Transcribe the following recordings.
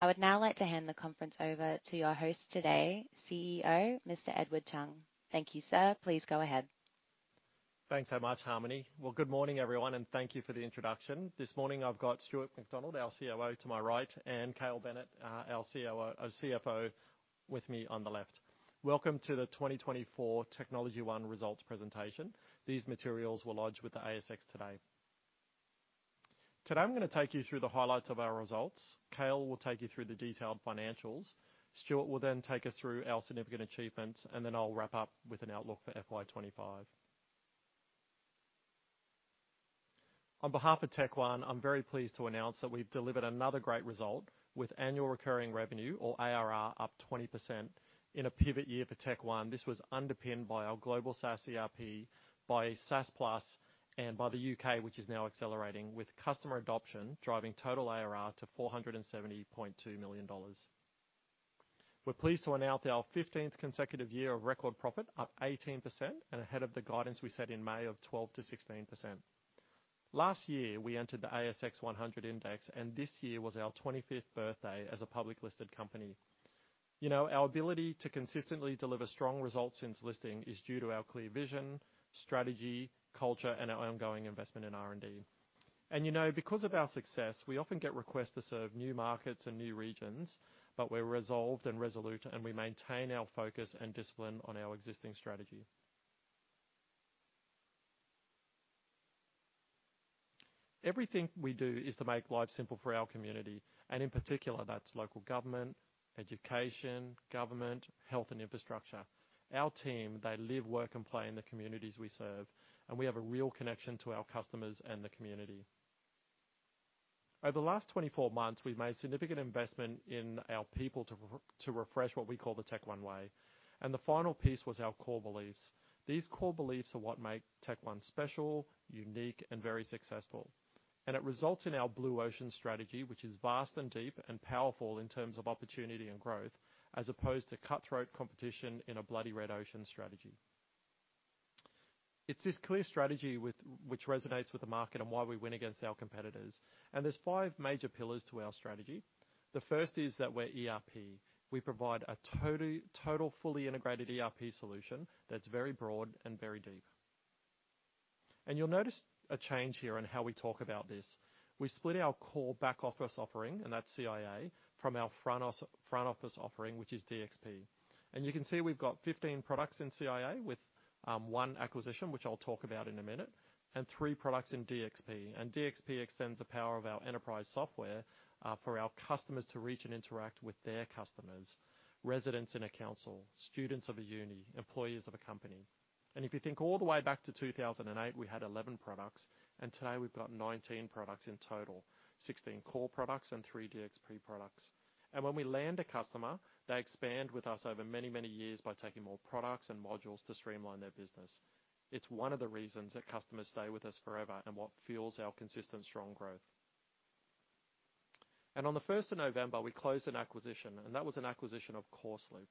I would now like to hand the conference over to your host today, CEO, Mr. Edward Chung. Thank you, sir. Please go ahead. Thanks so much, Harmony. Well, good morning, everyone, and thank you for the introduction. This morning I've got Stuart MacDonald, our COO, to my right, and Cale Bennett, our CFO, with me on the left. Welcome to the 2024 TechnologyOne Results Presentation. These materials will lodge with the ASX today. Today I'm going to take you through the highlights of our results. Cale will take you through the detailed financials. Stuart will then take us through our significant achievements, and then I'll wrap up with an outlook for FY25. On behalf of TechnologyOne, I'm very pleased to announce that we've delivered another great result with annual recurring revenue, or ARR, up 20%. In a pivot year for TechnologyOne, this was underpinned by our global SaaS ERP, by SaaS Plus, and by the U.K., which is now accelerating, with customer adoption driving total ARR to 470.2 million dollars. We're pleased to announce our 15th consecutive year of record profit, up 18%, and ahead of the guidance we set in May of 12% to 16%. Last year we entered the ASX 100 index, and this year was our 25th birthday as a public-listed company. Our ability to consistently deliver strong results since listing is due to our clear vision, strategy, culture, and our ongoing investment in R&D, and because of our success, we often get requests to serve new markets and new regions, but we're resolved and resolute, and we maintain our focus and discipline on our existing strategy. Everything we do is to make life simple for our community, and in particular, that's local government, education, government, health, and infrastructure. Our team, they live, work, and play in the communities we serve, and we have a real connection to our customers and the community. Over the last 24 months, we've made significant investment in our people to refresh what we call the TechOne Way. And the final piece was our core beliefs. These core beliefs are what make TechOne special, unique, and very successful. And it results in our Blue Ocean strategy, which is vast and deep and powerful in terms of opportunity and growth, as opposed to cutthroat competition in a bloody Red Ocean strategy. It's this clear strategy which resonates with the market and why we win against our competitors. And there's five major pillars to our strategy. The first is that we're ERP. We provide a total, fully integrated ERP solution that's very broad and very deep. And you'll notice a change here in how we talk about this. We split our core back office offering, and that's CiA, from our front office offering, which is DXP. You can see we've got 15 products in CiA with one acquisition, which I'll talk about in a minute, and three products in DXP. DXP extends the power of our enterprise software for our customers to reach and interact with their customers, residents in a council, students of a uni, employees of a company. If you think all the way back to 2008, we had 11 products, and today we've got 19 products in total, 16 core products and 3 DXP products. When we land a customer, they expand with us over many, many years by taking more products and modules to streamline their business. It's one of the reasons that customers stay with us forever and what fuels our consistent, strong growth. On the 1st of November, we closed an acquisition, and that was an acquisition of CourseLoop.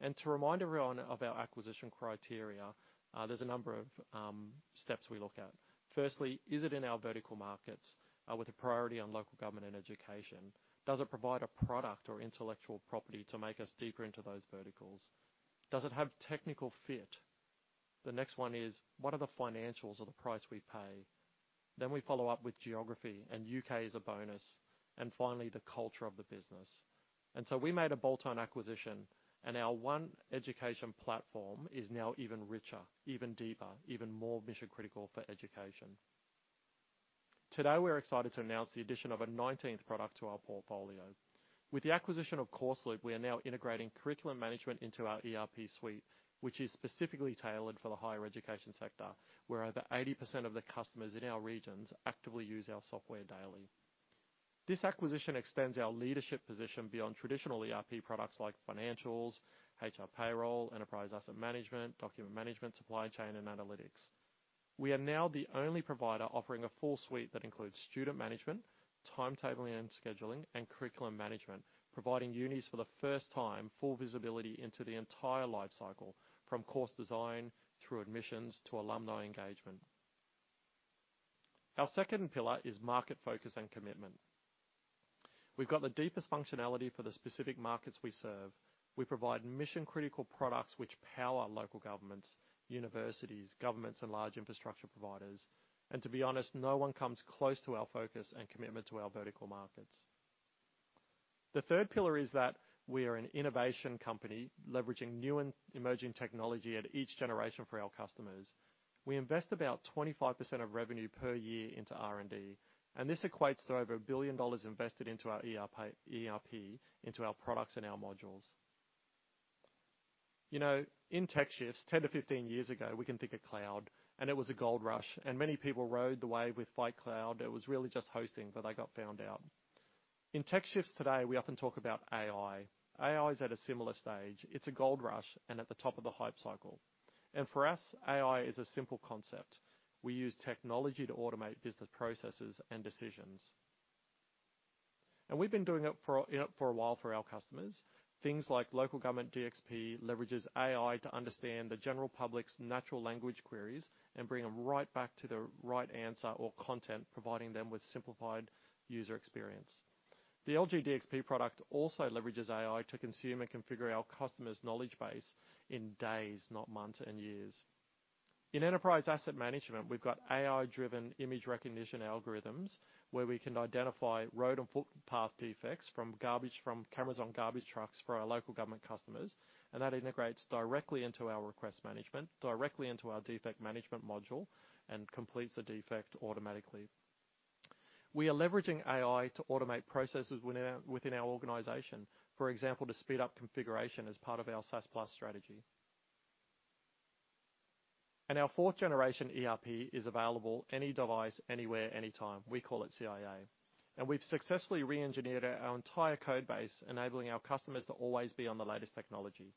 And to remind everyone of our acquisition criteria, there's a number of steps we look at. Firstly, is it in our vertical markets with a priority on local government and education? Does it provide a product or intellectual property to make us deeper into those verticals? Does it have technical fit? The next one is, what are the financials of the price we pay? Then we follow up with geography, and U.K. is a bonus. And finally, the culture of the business. And so we made a bolt-on acquisition, and our OneEducation platform is now even richer, even deeper, even more mission-critical for education. Today we're excited to announce the addition of a 19th product to our portfolio. With the acquisition of CourseLoop, we are now integrating curriculum management into our ERP suite, which is specifically tailored for the higher education sector, where over 80% of the customers in our regions actively use our software daily. This acquisition extends our leadership position beyond traditional ERP products like financials, HR payroll, enterprise asset management, document management, supply chain, and analytics. We are now the only provider offering a full suite that includes Student Management, Timetabling and Scheduling, and Curriculum Management, providing unis for the first time full visibility into the entire life cycle, from course design through admissions to alumni engagement. Our second pillar is market focus and commitment. We've got the deepest functionality for the specific markets we serve. We provide mission-critical products which power local governments, universities, governments, and large infrastructure providers. To be honest, no one comes close to our focus and commitment to our vertical markets. The third pillar is that we are an innovation company leveraging new and emerging technology at each generation for our customers. We invest about 25% of revenue per year into R&D, and this equates to over 1 billion dollars invested into our ERP, into our products and our modules. In tech shifts 10-15 years ago, we can think of cloud, and it was a gold rush. Many people rode the wave with white cloud. It was really just hosting, but they got found out. In tech shifts today, we often talk about AI. AI is at a similar stage. It's a gold rush and at the top of the hype cycle. For us, AI is a simple concept. We use technology to automate business processes and decisions. We've been doing it for a while for our customers. Things like Local Government DXP leverages AI to understand the general public's natural language queries and bring them right back to the right answer or content, providing them with simplified user experience. The LG DXP product also leverages AI to consume and configure our customers' knowledge base in days, not months and years. In enterprise asset management, we've got AI-driven image recognition algorithms where we can identify road and footpath defects from cameras on garbage trucks for our local government customers. That integrates directly into our request management, directly into our defect management module, and completes the defect automatically. We are leveraging AI to automate processes within our organization, for example, to speed up configuration as part of our SaaS Plus strategy. Our fourth-generation ERP is available any device, anywhere, anytime. We call it CiA. And we've successfully re-engineered our entire code base, enabling our customers to always be on the latest technology.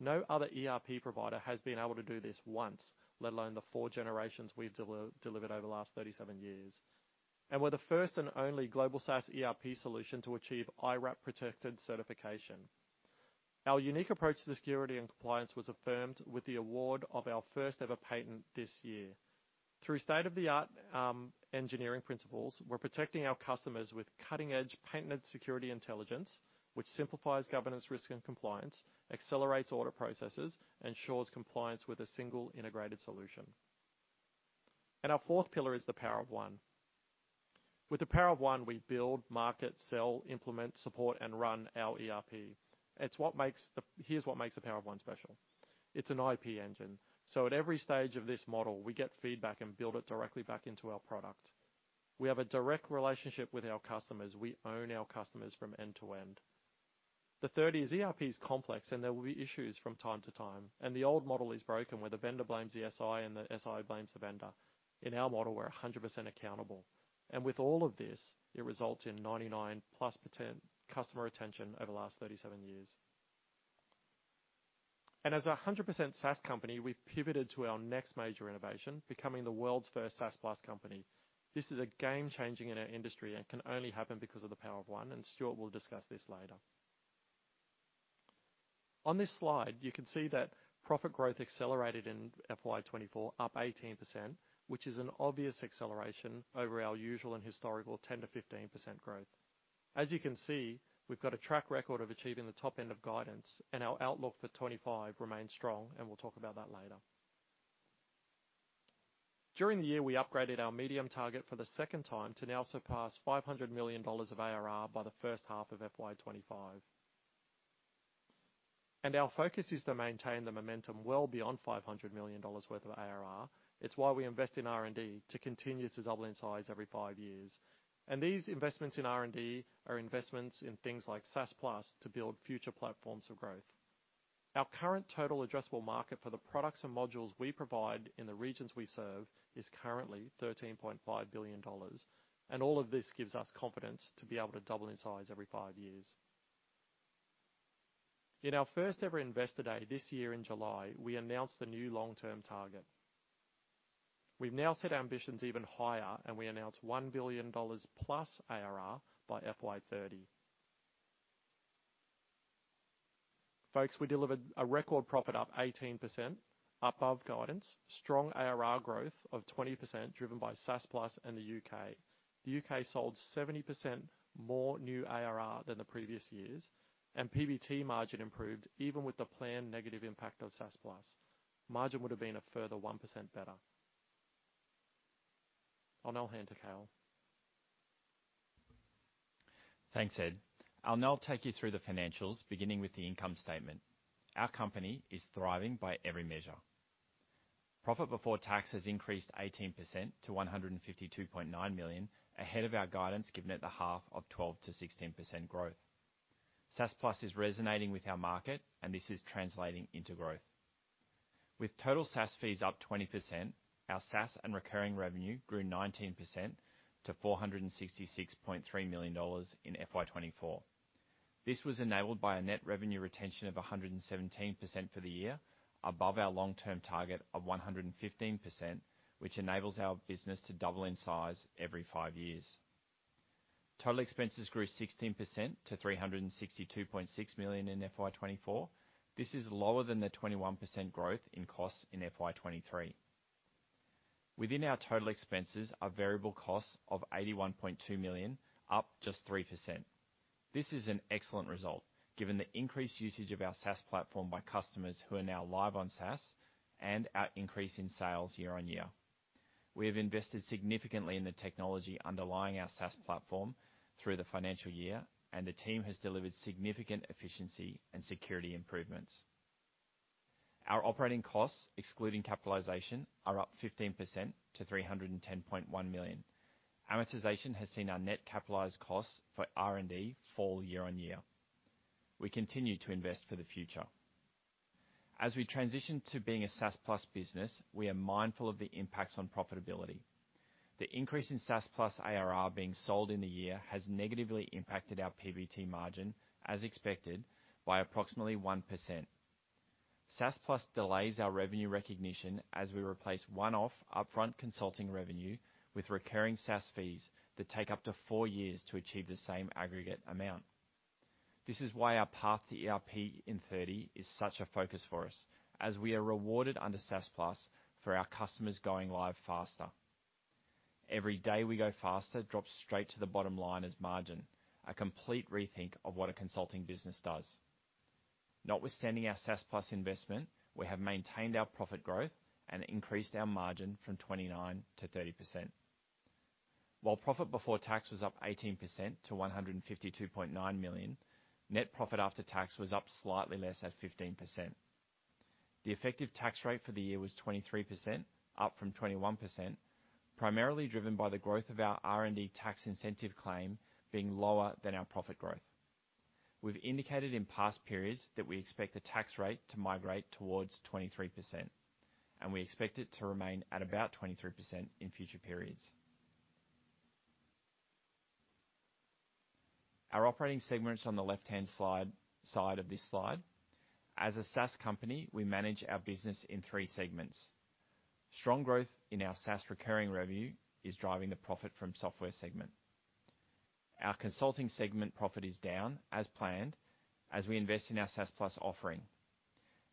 No other ERP provider has been able to do this once, let alone the four generations we've delivered over the last 37 years. And we're the first and only global SaaS ERP solution to achieve IRAP-protected certification. Our unique approach to security and compliance was affirmed with the award of our first-ever patent this year. Through state-of-the-art engineering principles, we're protecting our customers with cutting-edge patented security intelligence, which simplifies governance, risk, and compliance, accelerates order processes, ensures compliance with a single integrated solution. And our fourth pillar is the Power of One. With the Power of One, we build, market, sell, implement, support, and run our ERP. Here's what makes the Power of One special. It's an IP engine. So at every stage of this model, we get feedback and build it directly back into our product. We have a direct relationship with our customers. We own our customers from end to end. The third is ERP is complex, and there will be issues from time to time. And the old model is broken where the vendor blames the SI, and the SI blames the vendor. In our model, we're 100% accountable. And with all of this, it results in 99-plus% customer retention over the last 37 years. And as a 100% SaaS company, we've pivoted to our next major innovation, becoming the world's first SaaS Plus company. This is game-changing in our industry and can only happen because of the power of one, and Stuart will discuss this later. On this slide, you can see that profit growth accelerated in FY24, up 18%, which is an obvious acceleration over our usual and historical 10%-15% growth. As you can see, we've got a track record of achieving the top end of guidance, and our outlook for FY 2025 remains strong, and we'll talk about that later. During the year, we upgraded our medium target for the second time to now surpass 500 million dollars of ARR by the first half of FY25. And our focus is to maintain the momentum well beyond 500 million dollars worth of ARR. It's why we invest in R&D to continue to double in size every five years. And these investments in R&D are investments in things like SaaS Plus to build future platforms of growth. Our current total addressable market for the products and modules we provide in the regions we serve is currently 13.5 billion dollars. All of this gives us confidence to be able to double in size every five years. In our first-ever Investor Day this year in July, we announced the new long-term target. We've now set ambitions even higher, and we announced 1 billion dollars plus ARR by FY30. Folks, we delivered a record profit up 18%, above guidance, strong ARR growth of 20% driven by SaaS Plus and the U.K. The U.K. sold 70% more new ARR than the previous years, and PBT margin improved even with the planned negative impact of SaaS Plus. Margin would have been a further 1% better. I'll now hand to Cale. Thanks, Ed. I'll now take you through the financials, beginning with the income statement. Our company is thriving by every measure. Profit before tax has increased 18% to 152.9 million, ahead of our guidance given at the half of 12%-16% growth. SaaS Plus is resonating with our market, and this is translating into growth. With total SaaS fees up 20%, our SaaS and recurring revenue grew 19% to 466.3 million dollars in FY24. This was enabled by a net revenue retention of 117% for the year, above our long-term target of 115%, which enables our business to double in size every five years. Total expenses grew 16% to 362.6 million in FY24. This is lower than the 21% growth in costs in FY23. Within our total expenses are variable costs of 81.2 million, up just 3%. This is an excellent result, given the increased usage of our SaaS platform by customers who are now live on SaaS and our increase in sales year on year. We have invested significantly in the technology underlying our SaaS platform through the financial year, and the team has delivered significant efficiency and security improvements. Our operating costs, excluding capitalization, are up 15% to 310.1 million. Amortization has seen our net capitalized costs for R&D fall year on year. We continue to invest for the future. As we transition to being a SaaS Plus business, we are mindful of the impacts on profitability. The increase in SaaS Plus ARR being sold in the year has negatively impacted our PBT margin, as expected, by approximately 1%. SaaS Plus delays our revenue recognition as we replace one-off upfront consulting revenue with recurring SaaS fees that take up to four years to achieve the same aggregate amount. This is why our path to ERP in 2030 is such a focus for us, as we are rewarded under SaaS Plus for our customers going live faster. Every day we go faster drops straight to the bottom line as margin, a complete rethink of what a consulting business does. Notwithstanding our SaaS Plus investment, we have maintained our profit growth and increased our margin from 29% to 30%. While profit before tax was up 18% to 152.9 million, net profit after tax was up slightly less at 15%. The effective tax rate for the year was 23%, up from 21%, primarily driven by the growth of our R&D tax incentive claim being lower than our profit growth. We've indicated in past periods that we expect the tax rate to migrate towards 23%, and we expect it to remain at about 23% in future periods. Our operating segments on the left-hand side of this slide. As a SaaS company, we manage our business in three segments. Strong growth in our SaaS recurring revenue is driving the profit from software segment. Our consulting segment profit is down, as planned, as we invest in our SaaS Plus offering.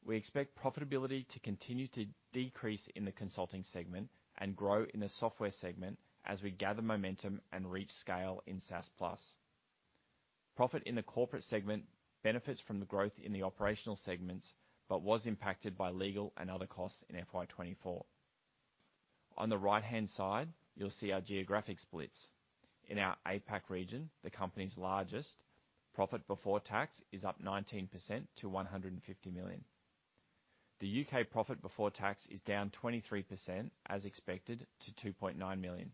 We expect profitability to continue to decrease in the consulting segment and grow in the software segment as we gather momentum and reach scale in SaaS Plus. Profit in the corporate segment benefits from the growth in the operational segments but was impacted by legal and other costs in FY24. On the right-hand side, you'll see our geographic splits. In our APAC region, the company's largest, profit before tax is up 19% to 150 million. The U.K. profit before tax is down 23%, as expected, to 2.9 million.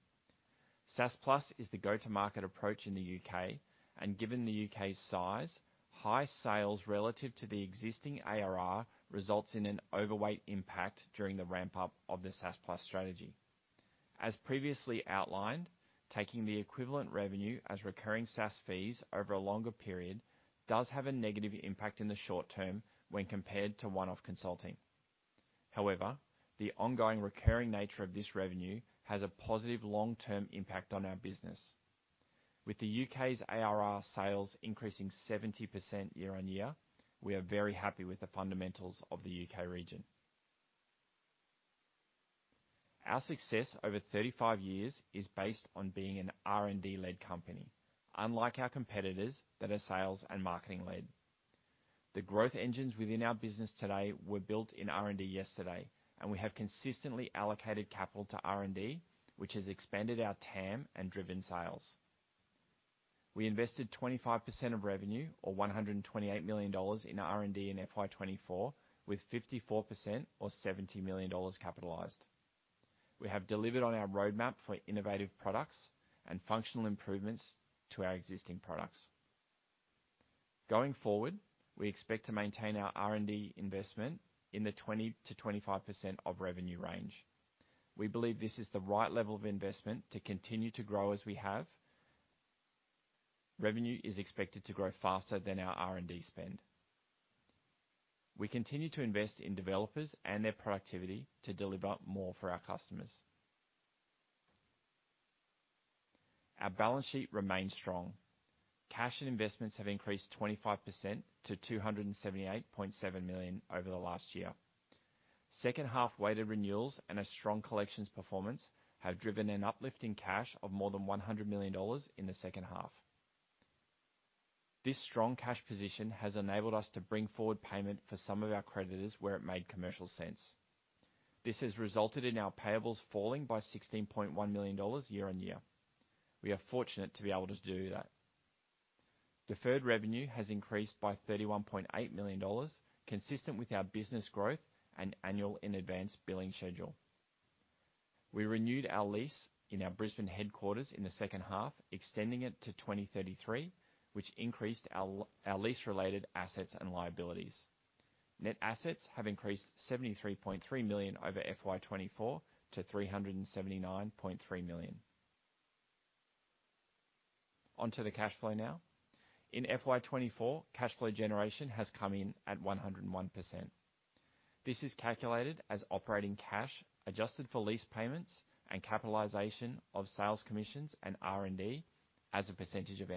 SaaS Plus is the go-to-market approach in the U.K., and given the U.K.'s size, high sales relative to the existing ARR results in an overweight impact during the ramp-up of the SaaS Plus strategy. As previously outlined, taking the equivalent revenue as recurring SaaS fees over a longer period does have a negative impact in the short term when compared to one-off consulting. However, the ongoing recurring nature of this revenue has a positive long-term impact on our business. With the U.K.'s ARR sales increasing 70% year on year, we are very happy with the fundamentals of the U.K. region. Our success over 35 years is based on being an R&D-led company, unlike our competitors that are sales and marketing-led. The growth engines within our business today were built in R&D yesterday, and we have consistently allocated capital to R&D, which has expanded our TAM and driven sales. We invested 25% of revenue, or 128 million dollars, in R&D in FY24, with 54%, or 70 million dollars, capitalized. We have delivered on our roadmap for innovative products and functional improvements to our existing products. Going forward, we expect to maintain our R&D investment in the 20%-25% of revenue range. We believe this is the right level of investment to continue to grow as we have. Revenue is expected to grow faster than our R&D spend. We continue to invest in developers and their productivity to deliver more for our customers. Our balance sheet remains strong. Cash and investments have increased 25% to 278.7 million over the last year. Second-half weighted renewals and a strong collections performance have driven an uplift in cash of more than 100 million dollars in the second half. This strong cash position has enabled us to bring forward payment for some of our creditors where it made commercial sense. This has resulted in our payables falling by 16.1 million dollars year on year. We are fortunate to be able to do that. Deferred revenue has increased by AUD 31.8 million, consistent with our business growth and annual in-advance billing schedule. We renewed our lease in our Brisbane headquarters in the second half, extending it to 2033, which increased our lease-related assets and liabilities. Net assets have increased 73.3 million over FY24 to 379.3 million. Onto the cash flow now. In FY24, cash flow generation has come in at 101%. This is calculated as operating cash adjusted for lease payments and capitalization of sales commissions and R&D as a percentage of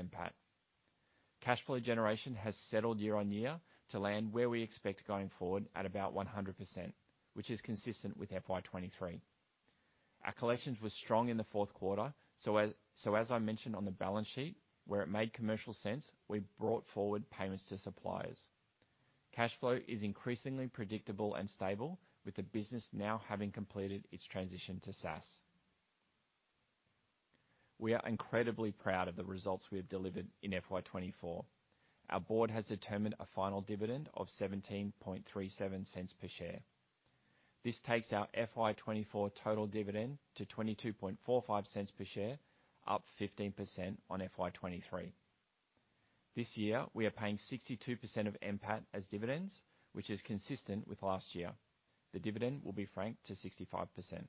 EBITDA. Cash flow generation has settled year on year to land where we expect going forward at about 100%, which is consistent with FY23. Our collections were strong in the fourth quarter, so as I mentioned on the balance sheet, where it made commercial sense, we brought forward payments to suppliers. Cash flow is increasingly predictable and stable, with the business now having completed its transition to SaaS. We are incredibly proud of the results we have delivered in FY24. Our board has determined a final dividend of 17.37 per share. This takes our FY24 total dividend to 22.45 per share, up 15% on FY23. This year, we are paying 62% of EBITDA as dividends, which is consistent with last year. The dividend will be franked to 65%.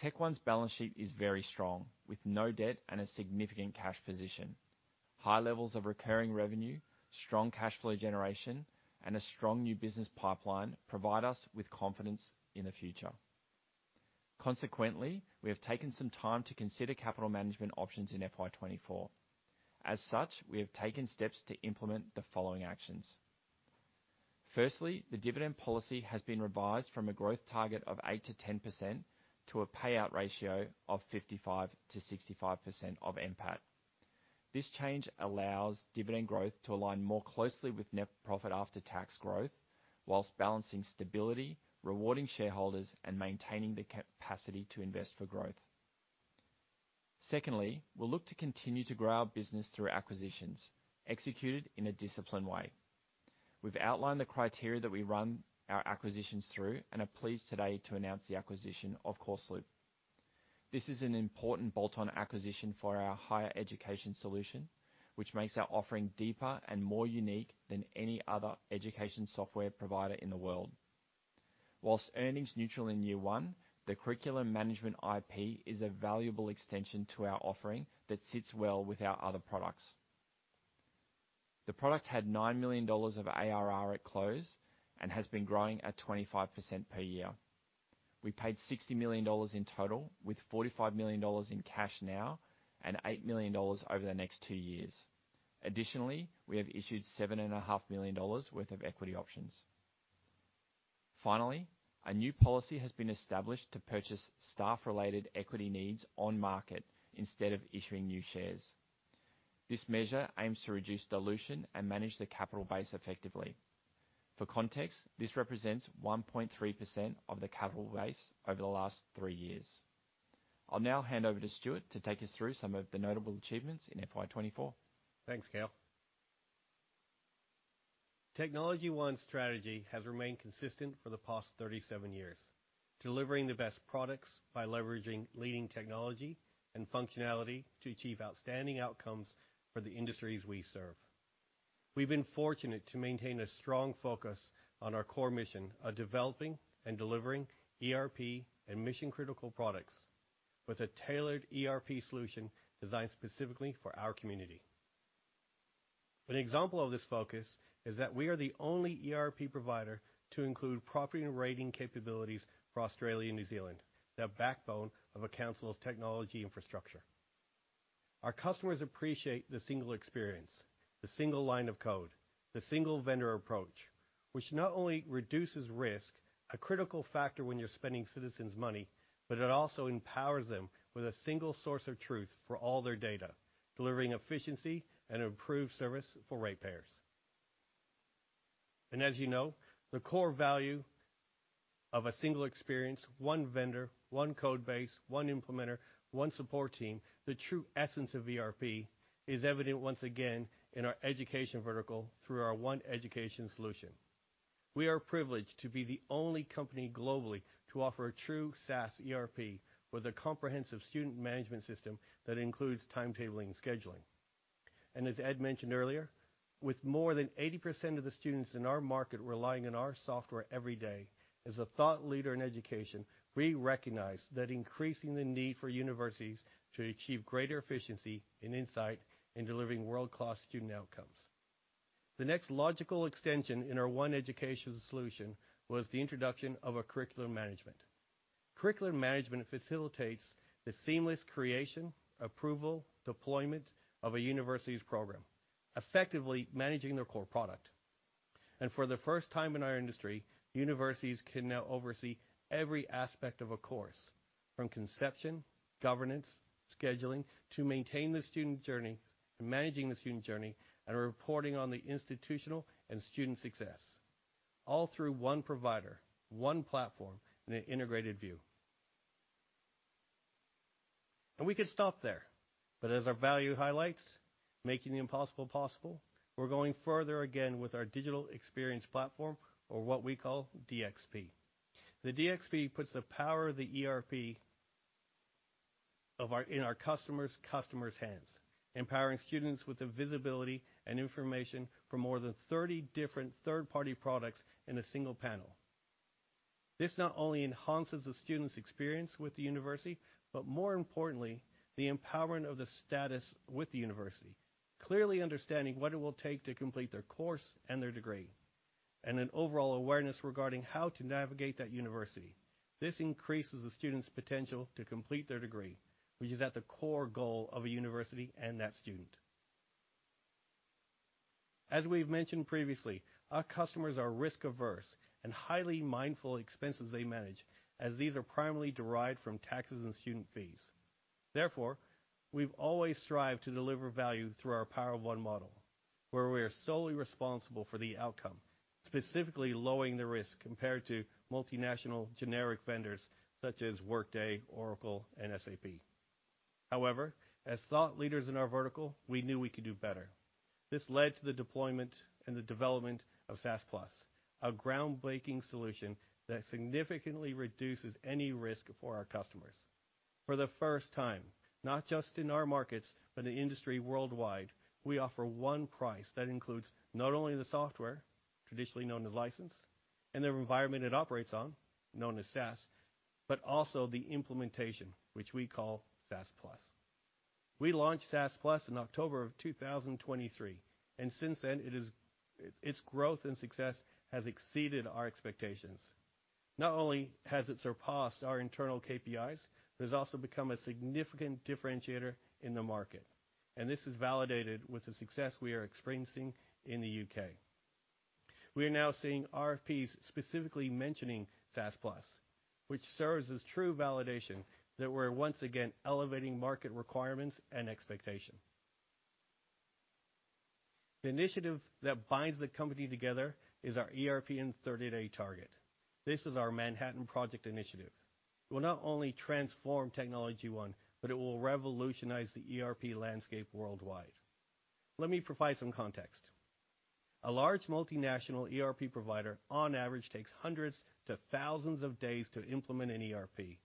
TechOne's balance sheet is very strong, with no debt and a significant cash position. High levels of recurring revenue, strong cash flow generation, and a strong new business pipeline provide us with confidence in the future. Consequently, we have taken some time to consider capital management options in FY24. As such, we have taken steps to implement the following actions. Firstly, the dividend policy has been revised from a growth target of 8%-10% to a payout ratio of 55%-65% of NPAT. This change allows dividend growth to align more closely with net profit after tax growth, while balancing stability, rewarding shareholders, and maintaining the capacity to invest for growth. Secondly, we'll look to continue to grow our business through acquisitions, executed in a disciplined way. We've outlined the criteria that we run our acquisitions through and are pleased today to announce the acquisition of CourseLoop. This is an important bolt-on acquisition for our higher education solution, which makes our offering deeper and more unique than any other education software provider in the world. While earnings neutral in year one, the curriculum management IP is a valuable extension to our offering that sits well with our other products. The product had 9 million dollars of ARR at close and has been growing at 25% per year. We paid 60 million dollars in total, with 45 million dollars in cash now and 8 million dollars over the next two years. Additionally, we have issued 7.5 million dollars worth of equity options. Finally, a new policy has been established to purchase staff-related equity needs on market instead of issuing new shares. This measure aims to reduce dilution and manage the capital base effectively. For context, this represents 1.3% of the capital base over the last three years. I'll now hand over to Stuart to take us through some of the notable achievements in FY24. Thanks, Cale. TechnologyOne's strategy has remained consistent for the past 37 years, delivering the best products by leveraging leading technology and functionality to achieve outstanding outcomes for the industries we serve. We've been fortunate to maintain a strong focus on our core mission of developing and delivering ERP and mission-critical products with a tailored ERP solution designed specifically for our community. An example of this focus is that we are the only ERP provider to include property and rating capabilities for Australia and New Zealand, the backbone of a council's technology infrastructure. Our customers appreciate the single experience, the single line of code, the single vendor approach, which not only reduces risk, a critical factor when you're spending citizens' money, but it also empowers them with a single source of truth for all their data, delivering efficiency and improved service for ratepayers. And as you know, the core value of a single experience, one vendor, one code base, one implementer, one support team, the true essence of ERP is evident once again in our education vertical through our OneEducation solution. We are privileged to be the only company globally to offer a true SaaS ERP with a comprehensive student management system that includes timetabling and scheduling. And as Ed mentioned earlier, with more than 80% of the students in our market relying on our software every day as a thought leader in education, we recognize that increasing the need for universities to achieve greater efficiency and insight in delivering world-class student outcomes. The next logical extension in our OneEducation solution was the introduction of a curriculum management. Curriculum management facilitates the seamless creation, approval, deployment of a university's program, effectively managing their core product. For the first time in our industry, universities can now oversee every aspect of a course, from conception, governance, scheduling, to maintain the student journey, managing the student journey, and reporting on the institutional and student success, all through one provider, one platform, and an integrated view. We could stop there, but as our value highlights, making the impossible possible, we're going further again with our digital experience platform, or what we call DXP. The DXP puts the power of the ERP in our customers' hands, empowering students with the visibility and information for more than 30 different third-party products in a single panel. This not only enhances the student's experience with the university, but more importantly, the empowerment of the student with the university, clearly understanding what it will take to complete their course and their degree, and an overall awareness regarding how to navigate that university. This increases the student's potential to complete their degree, which is at the core goal of a university and that student. As we've mentioned previously, our customers are risk-averse and highly mindful of expenses they manage, as these are primarily derived from taxes and student fees. Therefore, we've always strived to deliver value through our Power of One model, where we are solely responsible for the outcome, specifically lowering the risk compared to multinational generic vendors such as Workday, Oracle, and SAP. However, as thought leaders in our vertical, we knew we could do better. This led to the deployment and the development of SaaS Plus, a groundbreaking solution that significantly reduces any risk for our customers. For the first time, not just in our markets, but in industry worldwide, we offer one price that includes not only the software, traditionally known as license, and the environment it operates on, known as SaaS, but also the implementation, which we call SaaS Plus. We launched SaaS Plus in October of 2023, and since then, its growth and success have exceeded our expectations. Not only has it surpassed our internal KPIs, but it's also become a significant differentiator in the market, and this is validated with the success we are experiencing in the U.K. We are now seeing RFPs specifically mentioning SaaS Plus, which serves as true validation that we're once again elevating market requirements and expectations. The initiative that binds the company together is our ERP and 30-day target. This is our Manhattan Project initiative. It will not only transform TechnologyOne, but it will revolutionize the ERP landscape worldwide. Let me provide some context. A large multinational ERP provider, on average, takes hundreds to thousands of days to implement an ERP,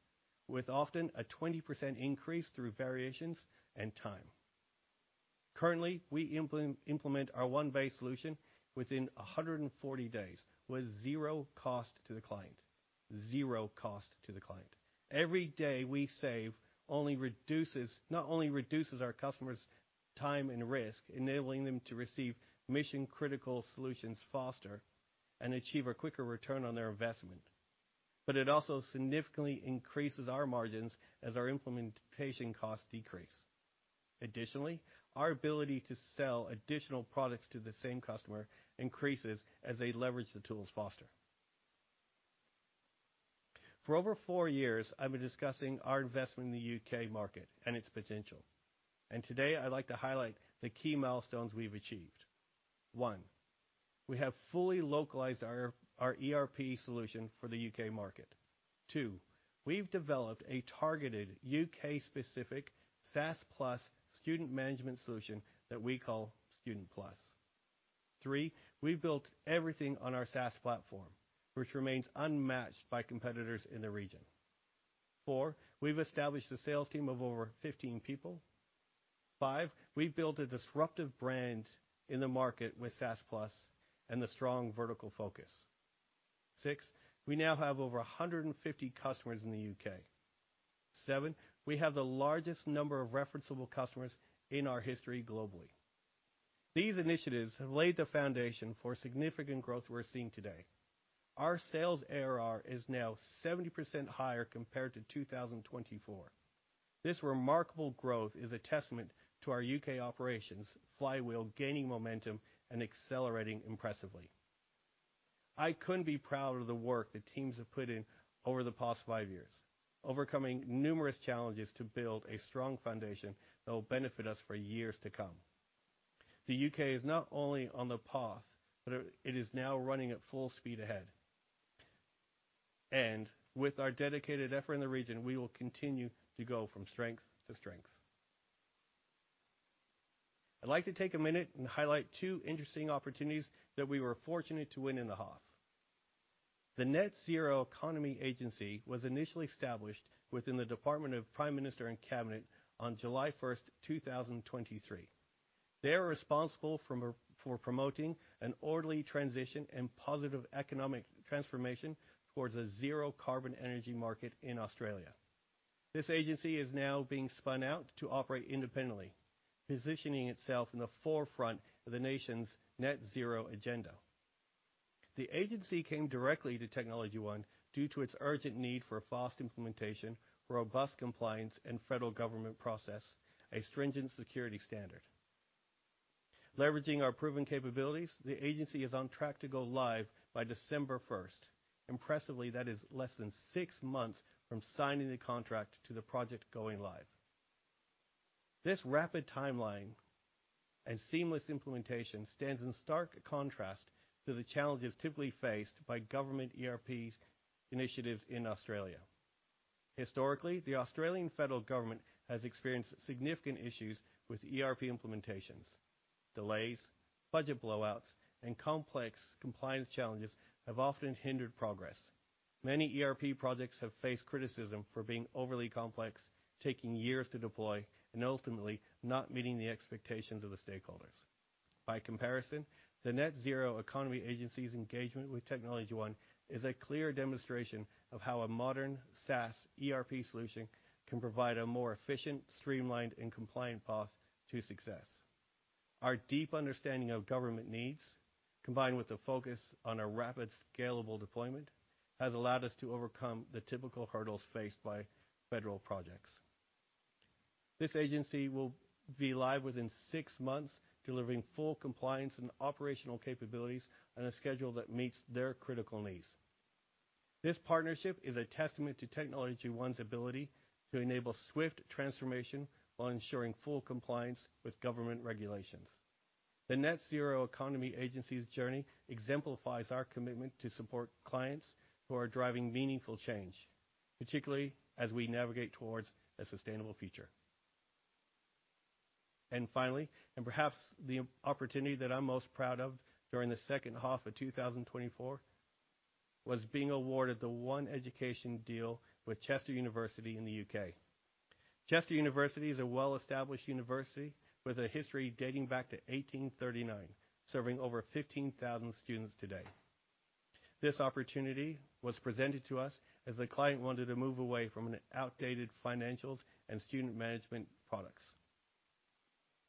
with often a 20% increase through variations and time. Currently, we implement our OneBase solution within 140 days with zero cost to the client, zero cost to the client. Every day we save not only reduces our customers' time and risk, enabling them to receive mission-critical solutions faster and achieve a quicker return on their investment, but it also significantly increases our margins as our implementation costs decrease. Additionally, our ability to sell additional products to the same customer increases as they leverage the tools faster. For over four years, I've been discussing our investment in the U.K. market and its potential. Today, I'd like to highlight the key milestones we've achieved. One, we have fully localized our ERP solution for the U.K. market. Two, we've developed a targeted U.K.-specific SaaS Plus student management solution that we call Student Plus. Three, we've built everything on our SaaS platform, which remains unmatched by competitors in the region. Four, we've established a sales team of over 15 people. Five, we've built a disruptive brand in the market with SaaS Plus and the strong vertical focus. Six, we now have over 150 customers in the U.K. Seven, we have the largest number of referenceable customers in our history globally. These initiatives have laid the foundation for significant growth we're seeing today. Our sales ARR is now 70% higher compared to 2024. This remarkable growth is a testament to our U.K. operations' flywheel gaining momentum and accelerating impressively. I couldn't be prouder of the work the teams have put in over the past five years, overcoming numerous challenges to build a strong foundation that will benefit us for years to come. The U.K. is not only on the path, but it is now running at full speed ahead. And with our dedicated effort in the region, we will continue to go from strength to strength. I'd like to take a minute and highlight two interesting opportunities that we were fortunate to win in the half. The Net Zero Economy Agency was initially established within the Department of the Prime Minister and Cabinet on July 1st, 2023. They are responsible for promoting an orderly transition and positive economic transformation towards a zero-carbon energy market in Australia. This agency is now being spun out to operate independently, positioning itself in the forefront of the nation's net zero agenda. The agency came directly to TechnologyOne due to its urgent need for fast implementation, robust compliance, and federal government process, a stringent security standard. Leveraging our proven capabilities, the agency is on track to go live by December 1st. Impressively, that is less than six months from signing the contract to the project going live. This rapid timeline and seamless implementation stands in stark contrast to the challenges typically faced by government ERP initiatives in Australia. Historically, the Australian federal government has experienced significant issues with ERP implementations. Delays, budget blowouts, and complex compliance challenges have often hindered progress. Many ERP projects have faced criticism for being overly complex, taking years to deploy, and ultimately not meeting the expectations of the stakeholders. By comparison, the Net Zero Economy Agency's engagement with TechnologyOne is a clear demonstration of how a modern SaaS ERP solution can provide a more efficient, streamlined, and compliant path to success. Our deep understanding of government needs, combined with the focus on a rapid scalable deployment, has allowed us to overcome the typical hurdles faced by federal projects. This agency will be live within six months, delivering full compliance and operational capabilities on a schedule that meets their critical needs. This partnership is a testament to TechnologyOne's ability to enable swift transformation while ensuring full compliance with government regulations. The Net Zero Economy Agency's journey exemplifies our commitment to support clients who are driving meaningful change, particularly as we navigate towards a sustainable future. Finally, and perhaps the opportunity that I'm most proud of during the second half of 2024, was being awarded the OneEducation deal with the University of Chester in the U.K. The University of Chester is a well-established university with a history dating back to 1839, serving over 15,000 students today. This opportunity was presented to us as the client wanted to move away from outdated financials and student management products.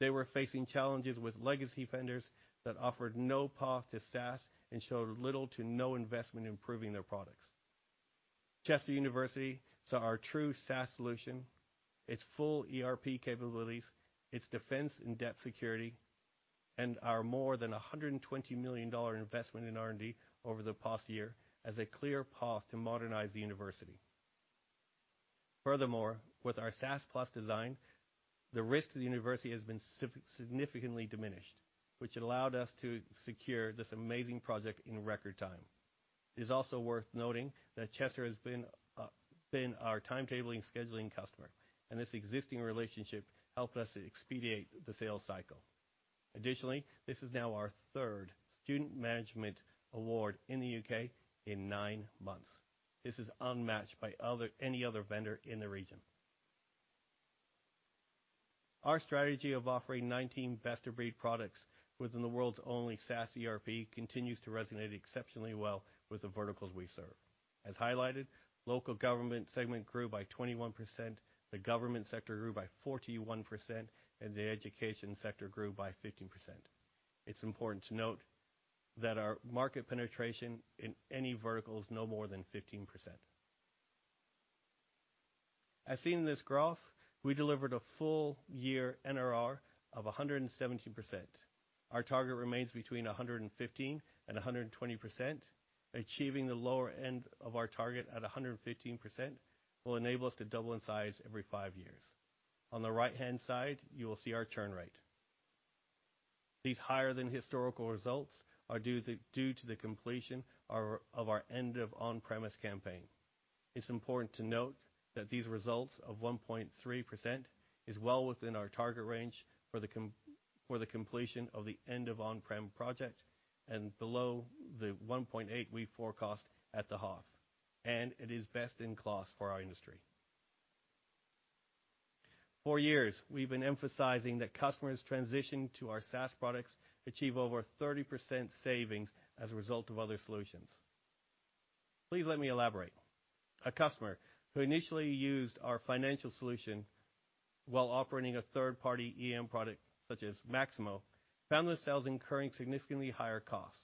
They were facing challenges with legacy vendors that offered no path to SaaS and showed little to no investment in improving their products. The University of Chester saw our true SaaS solution, its full ERP capabilities, its defense-in-depth security, and our more than 120 million dollar investment in R&D over the past year as a clear path to modernize the university. Furthermore, with our SaaS Plus design, the risk to the university has been significantly diminished, which allowed us to secure this amazing project in record time. It is also worth noting that Chester has been our timetabling scheduling customer, and this existing relationship helped us expedite the sales cycle. Additionally, this is now our third student management award in the U.K. in nine months. This is unmatched by any other vendor in the region. Our strategy of offering 19 best-of-breed products within the world's only SaaS ERP continues to resonate exceptionally well with the verticals we serve. As highlighted, local government segment grew by 21%, the government sector grew by 41%, and the education sector grew by 15%. It's important to note that our market penetration in any vertical is no more than 15%. As seen in this graph, we delivered a full-year NRR of 117%. Our target remains between 115% and 120%. Achieving the lower end of our target at 115% will enable us to double in size every five years. On the right-hand side, you will see our churn rate. These higher-than-historical results are due to the completion of our end-of-on-premise campaign. It's important to note that these results of 1.3% are well within our target range for the completion of the end-of-on-prem project and below the 1.8% we forecast at the half. And it is best in class for our industry. For years, we've been emphasizing that customers transitioning to our SaaS products achieve over 30% savings as a result of other solutions. Please let me elaborate. A customer who initially used our financial solution while operating a third-party EAM product such as Maximo found themselves incurring significantly higher costs,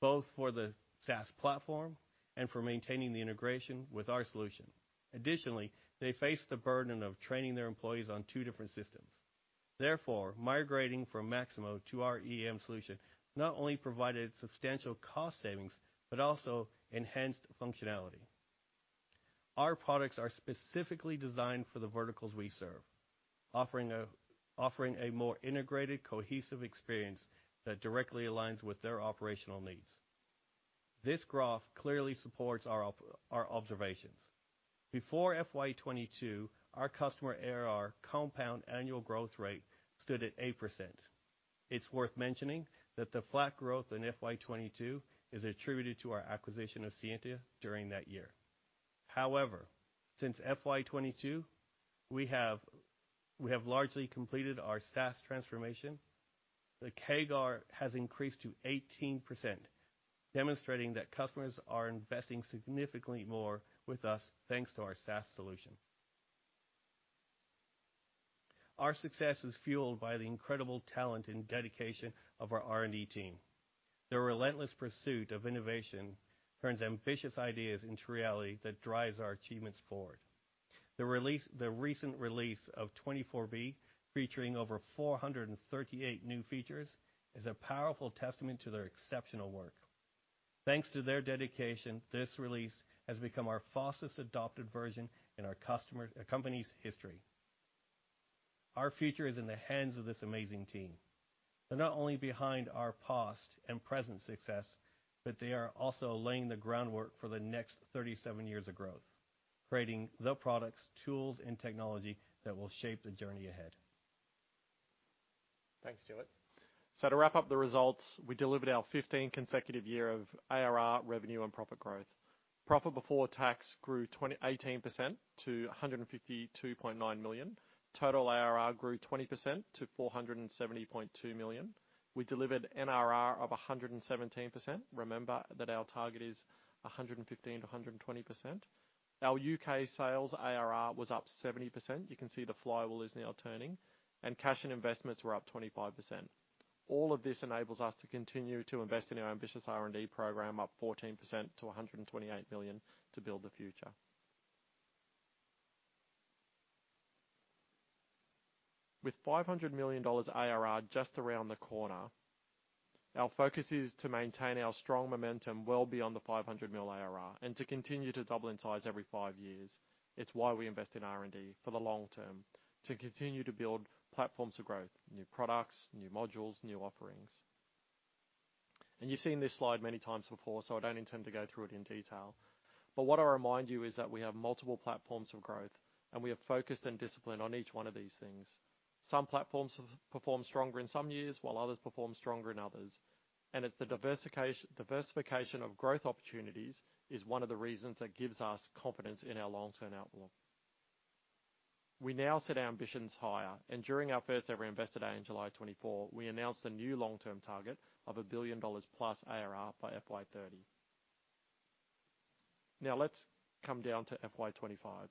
both for the SaaS platform and for maintaining the integration with our solution. Additionally, they faced the burden of training their employees on two different systems. Therefore, migrating from Maximo to our EAM solution not only provided substantial cost savings, but also enhanced functionality. Our products are specifically designed for the verticals we serve, offering a more integrated, cohesive experience that directly aligns with their operational needs. This graph clearly supports our observations. Before FY22, our customer ARR compound annual growth rate stood at 8%. It's worth mentioning that the flat growth in FY22 is attributed to our acquisition of Scientia during that year. However, since FY22, we have largely completed our SaaS transformation. The CAGR has increased to 18%, demonstrating that customers are investing significantly more with us thanks to our SaaS solution. Our success is fueled by the incredible talent and dedication of our R&D team. Their relentless pursuit of innovation turns ambitious ideas into reality that drives our achievements forward. The recent release of 24B, featuring over 438 new features, is a powerful testament to their exceptional work. Thanks to their dedication, this release has become our fastest adopted version in our company's history. Our future is in the hands of this amazing team. They're not only behind our past and present success, but they are also laying the groundwork for the next 37 years of growth, creating the products, tools, and technology that will shape the journey ahead. Thanks, Stuart. So to wrap up the results, we delivered our 15th consecutive year of ARR revenue and profit growth. Profit before tax grew 18% to 152.9 million. Total ARR grew 20% to 470.2 million. We delivered NRR of 117%. Remember that our target is 115%-120%. Our U.K. sales ARR was up 70%. You can see the flywheel is now turning, and cash and investments were up 25%. All of this enables us to continue to invest in our ambitious R&D program, up 14% to 128 million to build the future. With 500 million dollars ARR just around the corner, our focus is to maintain our strong momentum well beyond the 500 million ARR and to continue to double in size every five years. It's why we invest in R&D for the long term, to continue to build platforms of growth, new products, new modules, new offerings. You've seen this slide many times before, so I don't intend to go through it in detail. But what I'll remind you is that we have multiple platforms of growth, and we have focused and disciplined on each one of these things. Some platforms perform stronger in some years while others perform stronger in others. It's the diversification of growth opportunities that is one of the reasons that gives us confidence in our long-term outlook. We now set our ambitions higher. During our first-ever investor day in July 2024, we announced a new long-term target of 1 billion dollars plus ARR by FY30. Now, let's come down to FY25.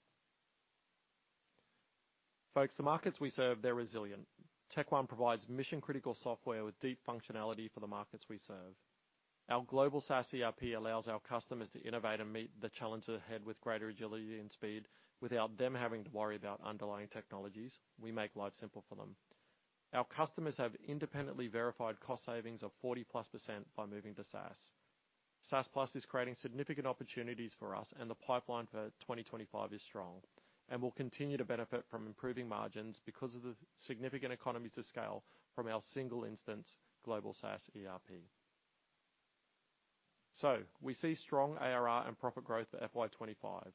Folks, the markets we serve, they're resilient. TechOne provides mission-critical software with deep functionality for the markets we serve. Our global SaaS ERP allows our customers to innovate and meet the challenges ahead with greater agility and speed without them having to worry about underlying technologies. We make life simple for them. Our customers have independently verified cost savings of 40-plus% by moving to SaaS. SaaS Plus is creating significant opportunities for us, and the pipeline for 2025 is strong. And we'll continue to benefit from improving margins because of the significant economies of scale from our single-instance global SaaS ERP. So we see strong ARR and profit growth for FY25.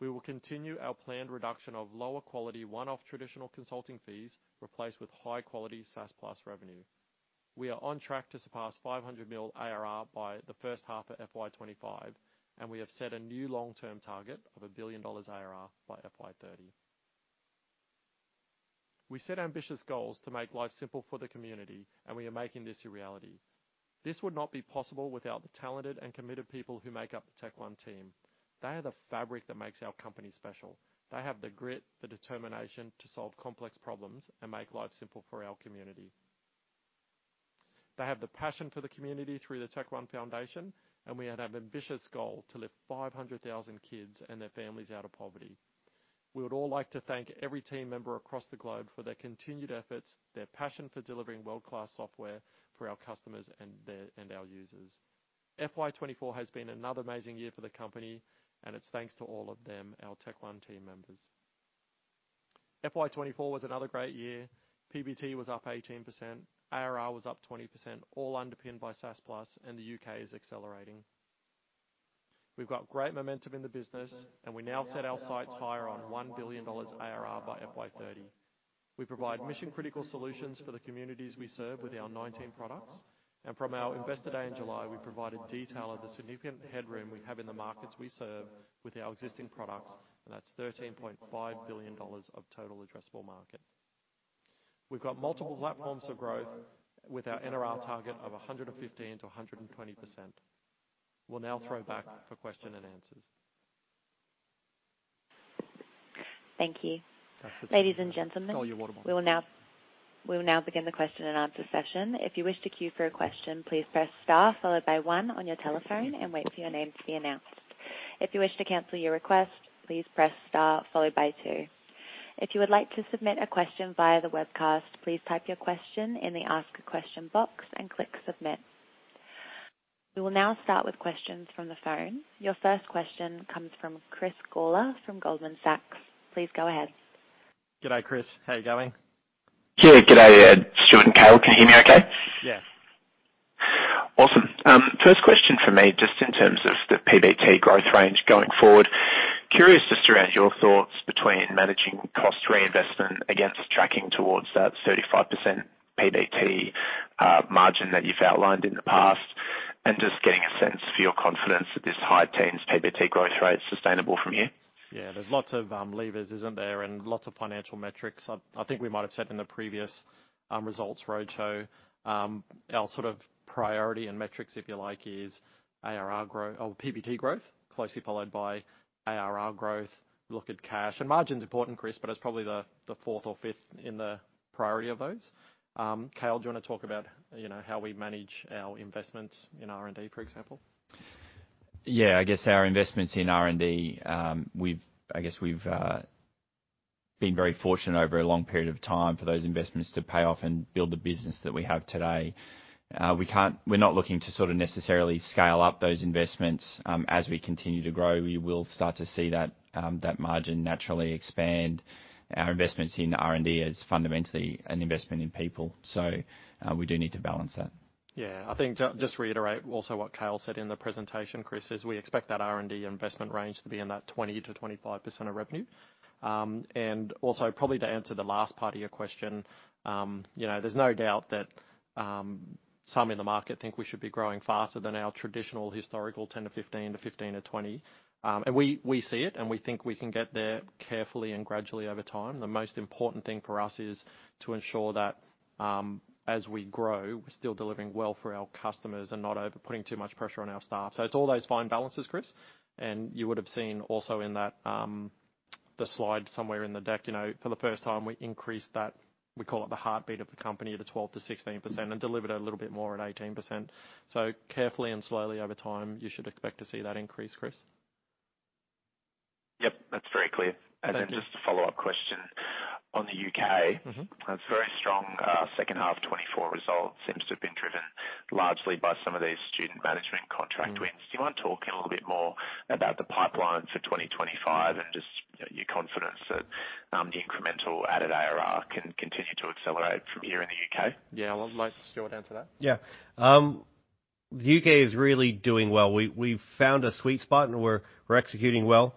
We will continue our planned reduction of lower-quality one-off traditional consulting fees replaced with high-quality SaaS Plus revenue. We are on track to surpass 500 million ARR by the first half of FY25, and we have set a new long-term target of 1 billion dollars ARR by FY30. We set ambitious goals to make life simple for the community, and we are making this a reality. This would not be possible without the talented and committed people who make up the TechnologyOne team. They are the fabric that makes our company special. They have the grit, the determination to solve complex problems and make life simple for our community. They have the passion for the community through the TechnologyOne Foundation, and we have an ambitious goal to lift 500,000 kids and their families out of poverty. We would all like to thank every team member across the globe for their continued efforts, their passion for delivering world-class software for our customers and our users. FY24 has been another amazing year for the company, and it's thanks to all of them, our TechnologyOne team members. FY24 was another great year. PBT was up 18%. ARR was up 20%, all underpinned by SaaS Plus, and the U.K. is accelerating. We've got great momentum in the business, and we now set our sights higher on $1 billion ARR by FY30. We provide mission-critical solutions for the communities we serve with our 19 products. And from our investor day in July, we provided detail of the significant headroom we have in the markets we serve with our existing products, and that's $13.5 billion of total addressable market. We've got multiple platforms of growth with our NRR target of 115%-120%. We'll now throw back for questions and answers. Thank you. That's it. Ladies and gentlemen. It's all your water bottle. We will now begin the question and answer session. If you wish to queue for a question, please press star followed by one on your telephone and wait for your name to be announced. If you wish to cancel your request, please press star followed by two. If you would like to submit a question via the webcast, please type your question in the Ask a Question box and click Submit. We will now start with questions from the phone. Your first question comes from Chris Gawler from Goldman Sachs. Please go ahead. G'day, Chris. How you going? Yeah, g'day. It's John Cowell. Can you hear me okay? Yes. Awesome. First question for me, just in terms of the PBT growth range going forward, curious just around your thoughts between managing cost reinvestment against tracking towards that 35% PBT margin that you've outlined in the past and just getting a sense for your confidence that this high-teens PBT growth rate is sustainable from here? Yeah, there's lots of levers, isn't there, and lots of financial metrics. I think we might have said in the previous results roadshow our sort of priority and metrics, if you like, is PBT growth, closely followed by ARR growth. We look at cash and margin's important, Chris, but it's probably the fourth or fifth in the priority of those. Cale, do you want to talk about how we manage our investments in R&D, for example? Yeah, I guess our investments in R&D, I guess we've been very fortunate over a long period of time for those investments to pay off and build the business that we have today. We're not looking to sort of necessarily scale up those investments. As we continue to grow, we will start to see that margin naturally expand. Our investments in R&D is fundamentally an investment in people, so we do need to balance that. Yeah, I think just to reiterate also what Cale said in the presentation, Chris, is we expect that R&D investment range to be in that 20%-25% of revenue. And also, probably to answer the last part of your question, there's no doubt that some in the market think we should be growing faster than our traditional historical 10%-15% to 15%-20%. And we see it, and we think we can get there carefully and gradually over time. The most important thing for us is to ensure that as we grow, we're still delivering well for our customers and not over putting too much pressure on our staff. So it's all those fine balances, Chris. You would have seen also in the slide somewhere in the deck, for the first time, we increased that, we call it the heartbeat of the company, to 12%-16% and delivered a little bit more at 18%. Carefully and slowly over time, you should expect to see that increase, Chris. Yep, that's very clear. And then just a follow-up question on the U.K. It's very strong second half 2024 result seems to have been driven largely by some of these student management contract wins. Do you mind talking a little bit more about the pipeline for 2025 and just your confidence that the incremental added ARR can continue to accelerate from here in the U.K.? Yeah, I'll let Stuart answer that. Yeah. The U.K. is really doing well. We've found a sweet spot, and we're executing well.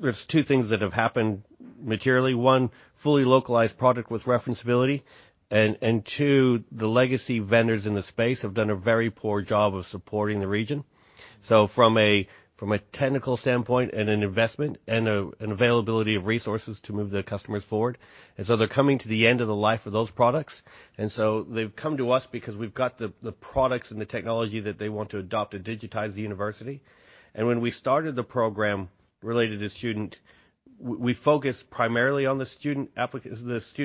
There's two things that have happened materially: one, fully localized product with referenceability, and two, the legacy vendors in the space have done a very poor job of supporting the region, so from a technical standpoint and an investment and an availability of resources to move the customers forward, and so they're coming to the end of the life of those products, and so they've come to us because we've got the products and the technology that they want to adopt and digitize the university, and when we started the program related to student, we focused primarily on the student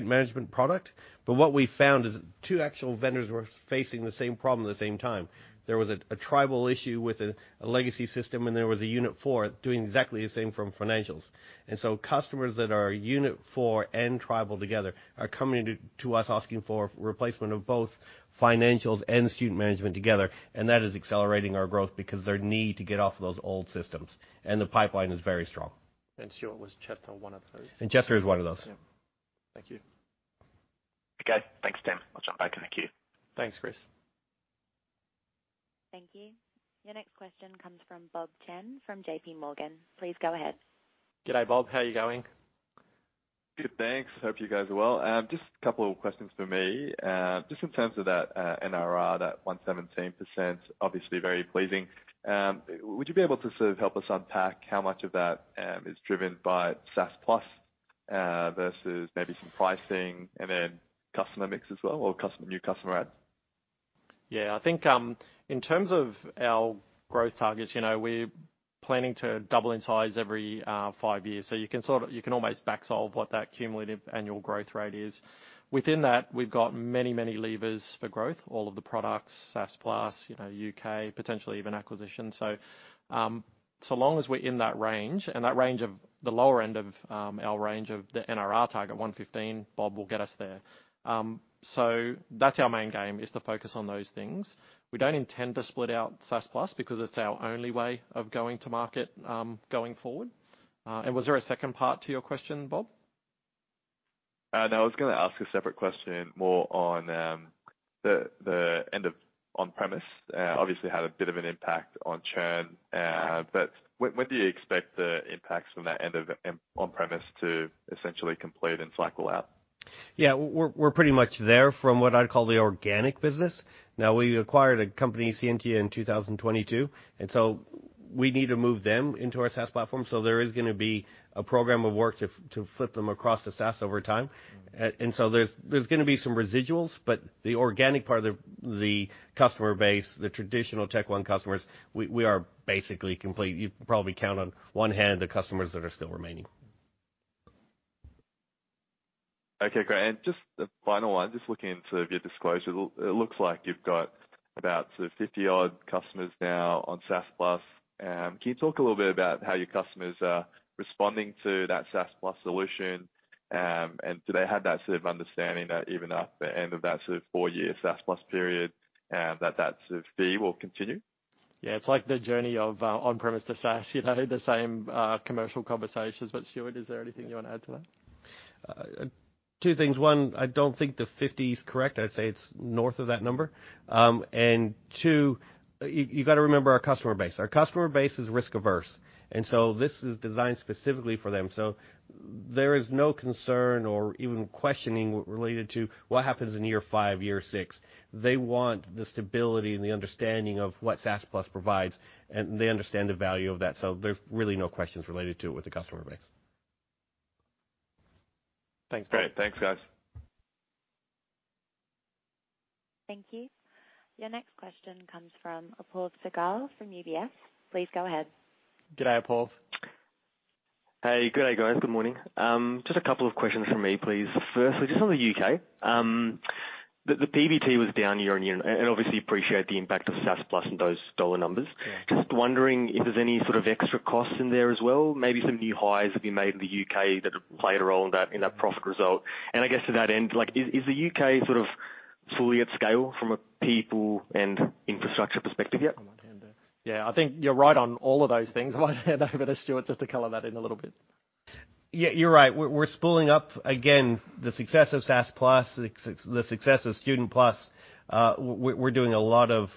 management product, but what we found is two actual vendors were facing the same problem at the same time. There was a Tribal issue with a legacy system, and there was a Unit4 doing exactly the same from financials. And so customers that are Unit4 and Tribal together are coming to us asking for replacement of both financials and student management together. And that is accelerating our growth because their need to get off of those old systems. And the pipeline is very strong. Stuart was just on one of those. Chester is one of those. Yeah. Thank you. Okay, thanks, Ed. I'll jump back in the queue. Thanks, Chris. Thank you. Your next question comes from Bob Chen from J.P. Morgan. Please go ahead. G'day, Bob. How you going? Good, thanks. Hope you guys are well. Just a couple of questions for me. Just in terms of that NRR, that 117%, obviously very pleasing. Would you be able to sort of help us unpack how much of that is driven by SaaS Plus versus maybe some pricing and then customer mix as well or new customer adds? Yeah, I think in terms of our growth targets, we're planning to double in size every five years, so you can almost backsolve what that cumulative annual growth rate is. Within that, we've got many, many levers for growth, all of the products, SaaS Plus, U.K., potentially even acquisition, so long as we're in that range and that range of the lower end of our range of the NRR target, 115%, Bob will get us there, so that's our main game, is to focus on those things. We don't intend to split out SaaS Plus because it's our only way of going to market going forward, and was there a second part to your question, Bob? No, I was going to ask a separate question more on the end of on-premise. Obviously, it had a bit of an impact on churn. But when do you expect the impacts from that end of on-premise to essentially complete and cycle out? Yeah, we're pretty much there from what I'd call the organic business. Now, we acquired a company, Scientia, in 2022. And so we need to move them into our SaaS platform. So there is going to be a program of work to flip them across to SaaS over time. And so there's going to be some residuals, but the organic part of the customer base, the traditional TechOne customers, we are basically complete. You probably count on one hand the customers that are still remaining. Okay, great. And just the final one, just looking into your disclosure, it looks like you've got about sort of 50-odd customers now on SaaS Plus. Can you talk a little bit about how your customers are responding to that SaaS Plus solution? And do they have that sort of understanding that even at the end of that sort of four-year SaaS Plus period, that that sort of fee will continue? Yeah, it's like the journey of on-premise to SaaS, the same commercial conversations. But Stuart, is there anything you want to add to that? Two things. One, I don't think the 50 is correct. I'd say it's north of that number. And two, you've got to remember our customer base. Our customer base is risk-averse. And so this is designed specifically for them. So there is no concern or even questioning related to what happens in year five, year six. They want the stability and the understanding of what SaaS Plus provides, and they understand the value of that. So there's really no questions related to it with the customer base. Thanks, Brent. Great. Thanks, guys. Thank you. Your next question comes from Apoorv Sehgal from UBS. Please go ahead. G'day, Apoorv Hey, g'day, guys. Good morning. Just a couple of questions from me, please. Firstly, just on the U.K., the PBT was down year on year, and obviously appreciate the impact of SaaS Plus and those dollar numbers. Just wondering if there's any sort of extra costs in there as well, maybe some new hires that have been made in the U.K. that played a role in that profit result. And I guess to that end, is the U.K. sort of fully at scale from a people and infrastructure perspective yet? Yeah, I think you're right on all of those things. I might hand over to Stuart just to color that in a little bit. Yeah, you're right. We're building on the success of SaaS Plus, the success of Student Plus. We're doing a lot of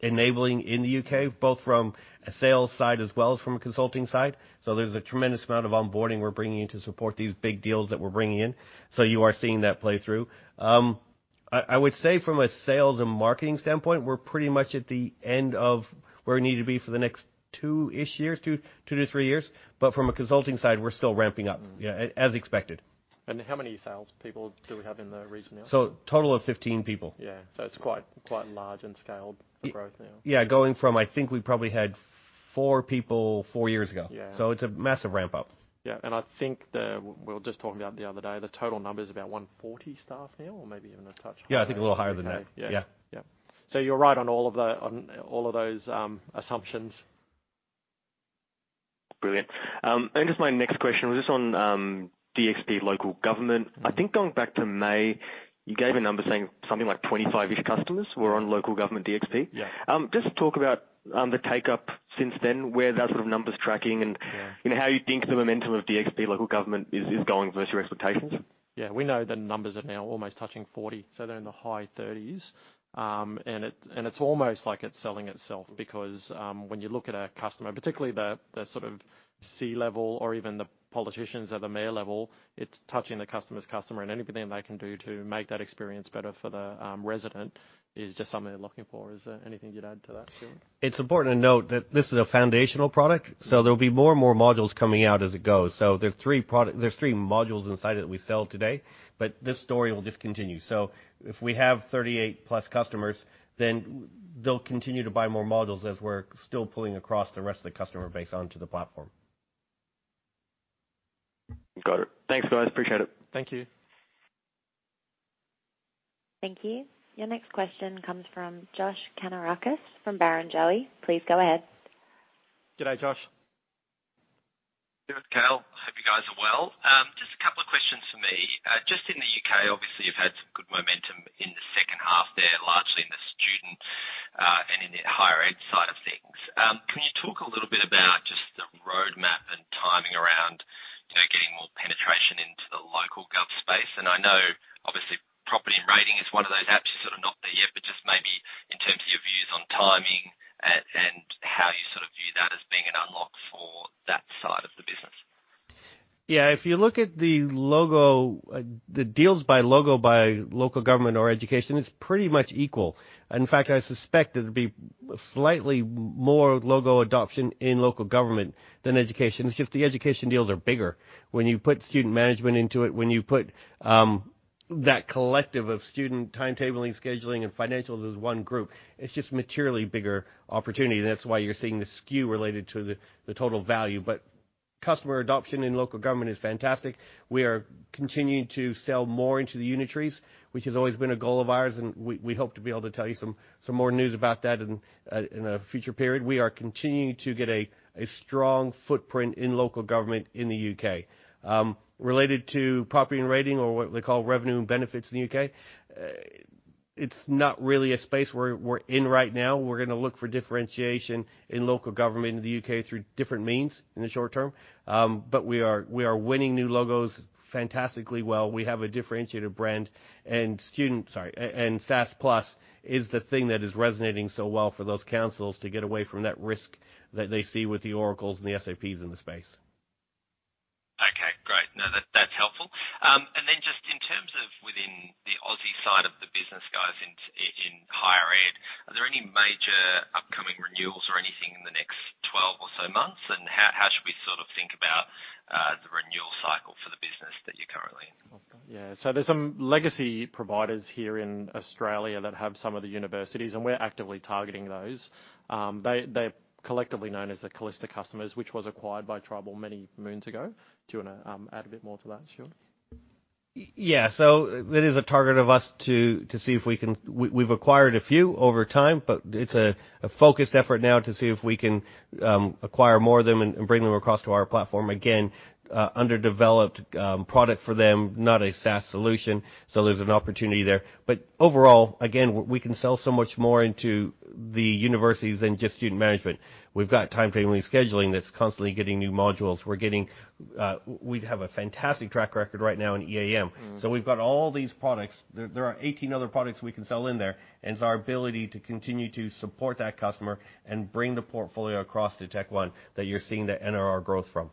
enabling in the U.K., both from a sales side as well as from a consulting side. So there's a tremendous amount of onboarding we're bringing in to support these big deals that we're bringing in. So you are seeing that play through. I would say from a sales and marketing standpoint, we're pretty much at the end of where we need to be for the next two-ish years, two to three years. But from a consulting side, we're still ramping up, yeah, as expected. How many salespeople do we have in the region now? Total of 15 people. Yeah, so it's quite large and scaled for growth now. Yeah, going from, I think we probably had four people four years ago. So it's a massive ramp-up. Yeah, and I think we were just talking about the other day, the total number is about 140 staff now, or maybe even a touch higher. Yeah, I think a little higher than that. Yeah. Yeah. Yeah, so you're right on all of those assumptions. Brilliant. And just my next question was just on DXP local government. I think going back to May, you gave a number saying something like 25-ish customers were on local government DXP. Just talk about the take-up since then, where that sort of numbers tracking and how you think the momentum of DXP local government is going versus your expectations. Yeah, we know the numbers are now almost touching 40, so they're in the high 30s. And it's almost like it's selling itself because when you look at a customer, particularly the sort of C-level or even the politicians at the mayor level, it's touching the customer's customer. And anything they can do to make that experience better for the resident is just something they're looking for. Is there anything you'd add to that, Stuart? It's important to note that this is a foundational product, so there will be more and more modules coming out as it goes. So there's three modules inside it that we sell today, but this story will just continue. So if we have 38-plus customers, then they'll continue to buy more modules as we're still pulling across the rest of the customer base onto the platform. Got it. Thanks, guys. Appreciate it. Thank you. Thank you. Your next question comes from Josh Kannourakis from Barrenjoey. Please go ahead. Good day, Josh. Good day, Cale. Hope you guys are well. Just a couple of questions for me. Just in the U.K., obviously, you've had some good momentum in the second half there, largely in the student and in the higher-ed side of things. Can you talk a little bit about just the roadmap and timing around getting more penetration into the local gov space? And I know, obviously, Property and Rating is one of those apps. You're sort of not there yet, but just maybe in terms of your views on timing and how you sort of view that as being an unlock for that side of the business. Yeah, if you look at the logo, the deals by logo, by local government or education, it's pretty much equal. In fact, I suspect it'd be slightly more logo adoption in local government than education. It's just the education deals are bigger. When you put student management into it, when you put that collective of student timetabling, scheduling, and financials as one group, it's just materially bigger opportunity. And that's why you're seeing the skew related to the total value. But customer adoption in local government is fantastic. We are continuing to sell more into the unitaries, which has always been a goal of ours. And we hope to be able to tell you some more news about that in a future period. We are continuing to get a strong footprint in local government in the U.K. Related to Property and Rating or what they call Revenue and Benefits in the U.K., it's not really a space we're in right now. We're going to look for differentiation in local government in the U.K. through different means in the short term. But we are winning new logos fantastically well. We have a differentiated brand. And Student Plus, sorry, and SaaS Plus is the thing that is resonating so well for those councils to get away from that risk that they see with the Oracles and the SAPs in the space. Okay, great. No, that's helpful. And then just in terms of within the Aussie side of the business, guys, in higher ed, are there any major upcoming renewals or anything in the next 12 or so months? And how should we sort of think about the renewal cycle for the business that you're currently in? Yeah, so there's some legacy providers here in Australia that have some of the universities, and we're actively targeting those. They're collectively known as the Callista customers, which was acquired by Tribal many moons ago. Do you want to add a bit more to that, Stuart? Yeah, so it is a target of us to see if we can, we've acquired a few over time, but it's a focused effort now to see if we can acquire more of them and bring them across to our platform. Again, underdeveloped product for them, not a SaaS solution. So there's an opportunity there. But overall, again, we can sell so much more into the universities than just student management. We've got timetabling scheduling that's constantly getting new modules. We have a fantastic track record right now in EAM. So we've got all these products. There are 18 other products we can sell in there. And it's our ability to continue to support that customer and bring the portfolio across to TechnologyOne that you're seeing the NRR growth from.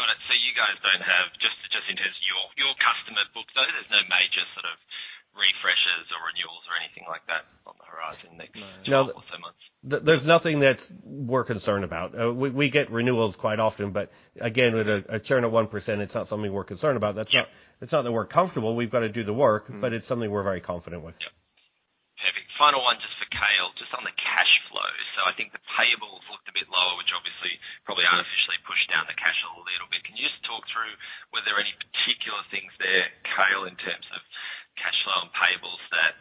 Got it. So you guys don't have, just in terms of your customer book, though, there's no major sort of refreshes or renewals or anything like that on the horizon next couple of months? There's nothing that we're concerned about. We get renewals quite often, but again, with a churn of 1%, it's not something we're concerned about. It's not that we're comfortable. We've got to do the work, but it's something we're very confident with. Yep. Heavy. Final one, just for Cale, just on the cash flow. So I think the payables looked a bit lower, which obviously probably artificially pushed down the cash a little bit. Can you just talk through whether there are any particular things there, Cale, in terms of cash flow and payables that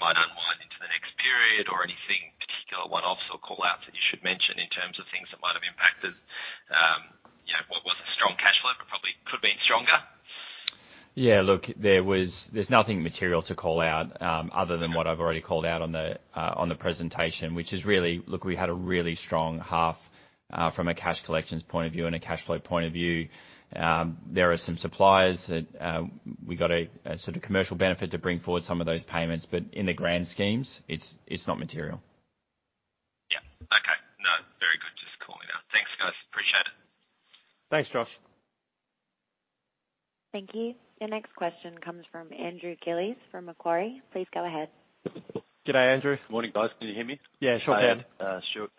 might unwind into the next period or anything particular, one-offs or callouts that you should mention in terms of things that might have impacted what was a strong cash flow, but probably could have been stronger? Yeah, look, there's nothing material to call out other than what I've already called out on the presentation, which is really, look, we had a really strong half from a cash collections point of view and a cash flow point of view. There are some suppliers that we got a sort of commercial benefit to bring forward some of those payments, but in the grand schemes, it's not material. Yeah. Okay. No, very good. Just calling out. Thanks, guys. Appreciate it. Thanks, Josh. Thank you. Your next question comes from Andrew Gillies from Macquarie. Please go ahead. G'day, Andrew. Good morning, guys. Can you hear me? Yeah, sure. I can. Stuart,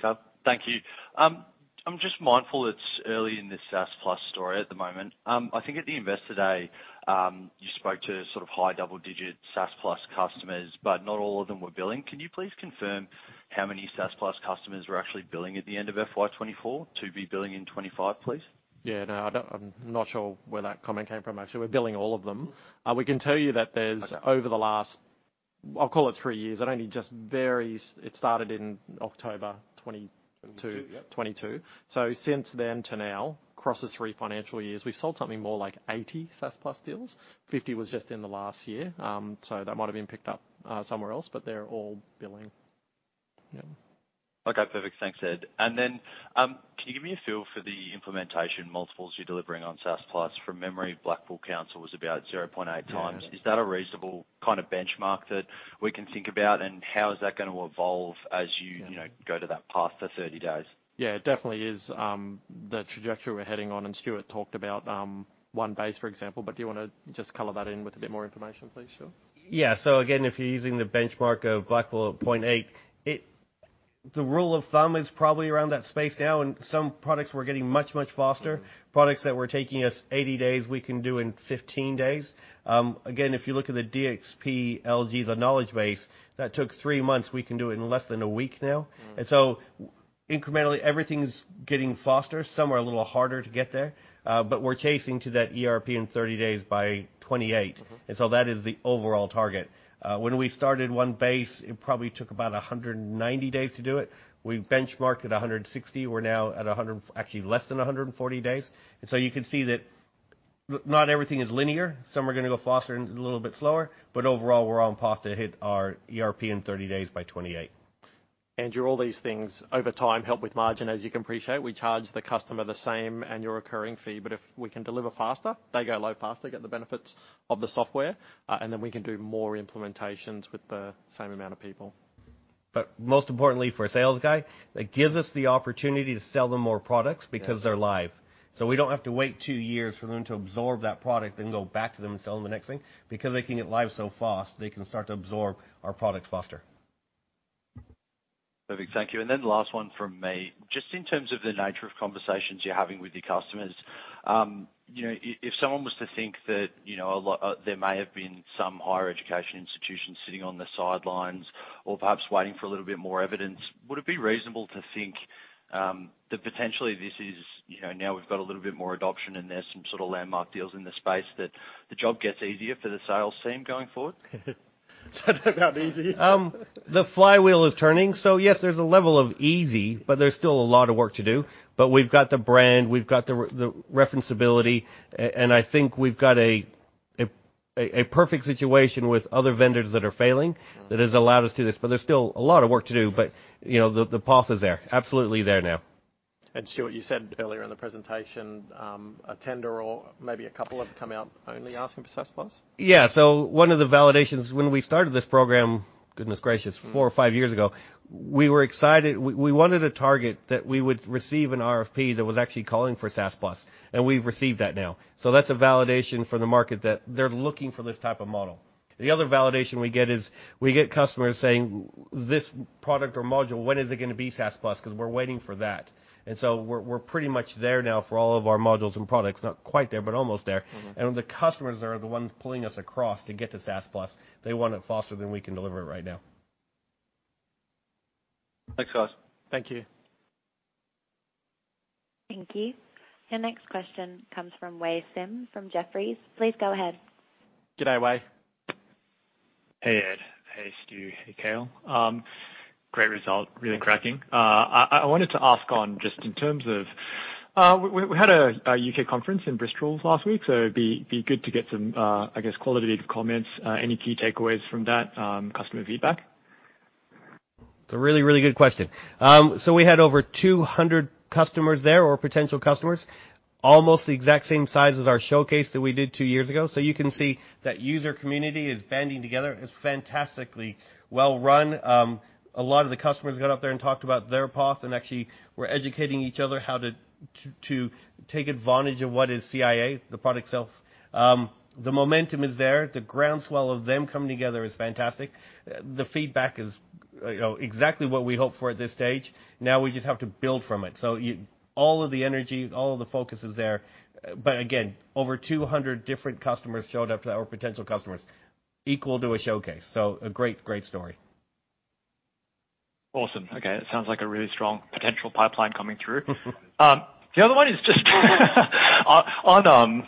come. Thank you. I'm just mindful it's early in this SaaS Plus story at the moment. I think at the investor day, you spoke to sort of high double-digit SaaS Plus customers, but not all of them were billing. Can you please confirm how many SaaS Plus customers were actually billing at the end of FY24 to be billing in 2025, please? Yeah, no, I'm not sure where that comment came from, actually. We're billing all of them. We can tell you that over the last, I'll call it three years, it started in October 2022. So since then to now, across the three financial years, we've sold something more like 80 SaaS Plus deals. 50 was just in the last year. So that might have been picked up somewhere else, but they're all billing. Yeah. Okay, perfect. Thanks, Ed. And then can you give me a feel for the implementation multiples you're delivering on SaaS Plus? From memory, Blackpool Council was about 0.8 times. Is that a reasonable kind of benchmark that we can think about? And how is that going to evolve as you go to that path for 30 days? Yeah, it definitely is. The trajectory we're heading on, and Stuart talked about OneBase, for example, but do you want to just color that in with a bit more information, please, Stuart? Yeah. So again, if you're using the benchmark of Blackpool at 0.8, the rule of thumb is probably around that space now. And some products we're getting much, much faster. Products that were taking us 80 days, we can do in 15 days. Again, if you look at the DXP LG, the knowledge base, that took three months. We can do it in less than a week now. And so incrementally, everything's getting faster. Some are a little harder to get there, but we're chasing to that ERP in 30 days by 28. And so that is the overall target. When we started OneBase, it probably took about 190 days to do it. We benchmarked at 160. We're now at actually less than 140 days. And so you can see that not everything is linear. Some are going to go faster and a little bit slower, but overall, we're on track to hit our ERP in 30 days by 2028. All these things over time help with margin, as you can appreciate. We charge the customer the same annual recurring fee, but if we can deliver faster, they go live faster, get the benefits of the software, and then we can do more implementations with the same amount of people. But most importantly for a sales guy, it gives us the opportunity to sell them more products because they're live. So we don't have to wait two years for them to absorb that product and go back to them and sell them the next thing because they can get live so fast. They can start to absorb our products faster. Perfect. Thank you. And then the last one from me. Just in terms of the nature of conversations you're having with your customers, if someone was to think that there may have been some higher education institution sitting on the sidelines or perhaps waiting for a little bit more evidence, would it be reasonable to think that potentially this is now we've got a little bit more adoption and there's some sort of landmark deals in the space that the job gets easier for the sales team going forward? I don't know about easy. The flywheel is turning, so yes, there's a level of easy, but there's still a lot of work to do, but we've got the brand, we've got the referenceability, and I think we've got a perfect situation with other vendors that are failing that has allowed us to do this, but there's still a lot of work to do, but the path is there. Absolutely there now. Stuart, you said earlier in the presentation, a tender or maybe a couple have come out only asking for SaaS Plus? Yeah. So one of the validations when we started this program, goodness gracious, four or five years ago, we were excited. We wanted a target that we would receive an RFP that was actually calling for SaaS Plus. And we've received that now. So that's a validation from the market that they're looking for this type of model. The other validation we get is we get customers saying, "This product or module, when is it going to be SaaS Plus?" Because we're waiting for that. And so we're pretty much there now for all of our modules and products. Not quite there, but almost there. And the customers are the ones pulling us across to get to SaaS Plus. They want it faster than we can deliver it right now. Thanks, guys. Thank you. Thank you. Your next question comes from Wei Sim from Jefferies. Please go ahead. G'day, Wei. Hey, Ed. Hey, Stuart, hey, Cale. Great result. Really cracking. I wanted to ask on just in terms of we had a U.K. conference in Bristol last week, so it'd be good to get some, I guess, qualitative comments. Any key takeaways from that customer feedback? It's a really, really good question. So we had over 200 customers there or potential customers, almost the exact same size as our showcase that we did two years ago. So you can see that user community is banding together. It's fantastically well-run. A lot of the customers got up there and talked about their path and actually were educating each other how to take advantage of what is CiA, the product itself. The momentum is there. The groundswell of them coming together is fantastic. The feedback is exactly what we hope for at this stage. Now we just have to build from it. So all of the energy, all of the focus is there. But again, over 200 different customers showed up to our potential customers. Equal to a showcase. So a great, great story. Awesome. Okay. It sounds like a really strong potential pipeline coming through. The other one is just on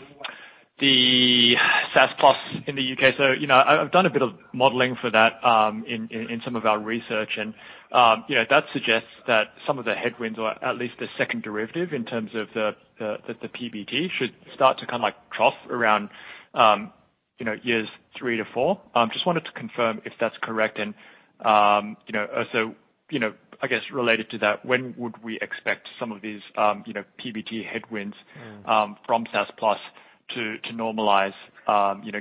the SaaS Plus in the U.K. So I've done a bit of modeling for that in some of our research, and that suggests that some of the headwinds, or at least the second derivative in terms of the PBT, should start to kind of trough around years three to four. Just wanted to confirm if that's correct. And also, I guess related to that, when would we expect some of these PBT headwinds from SaaS Plus to normalize,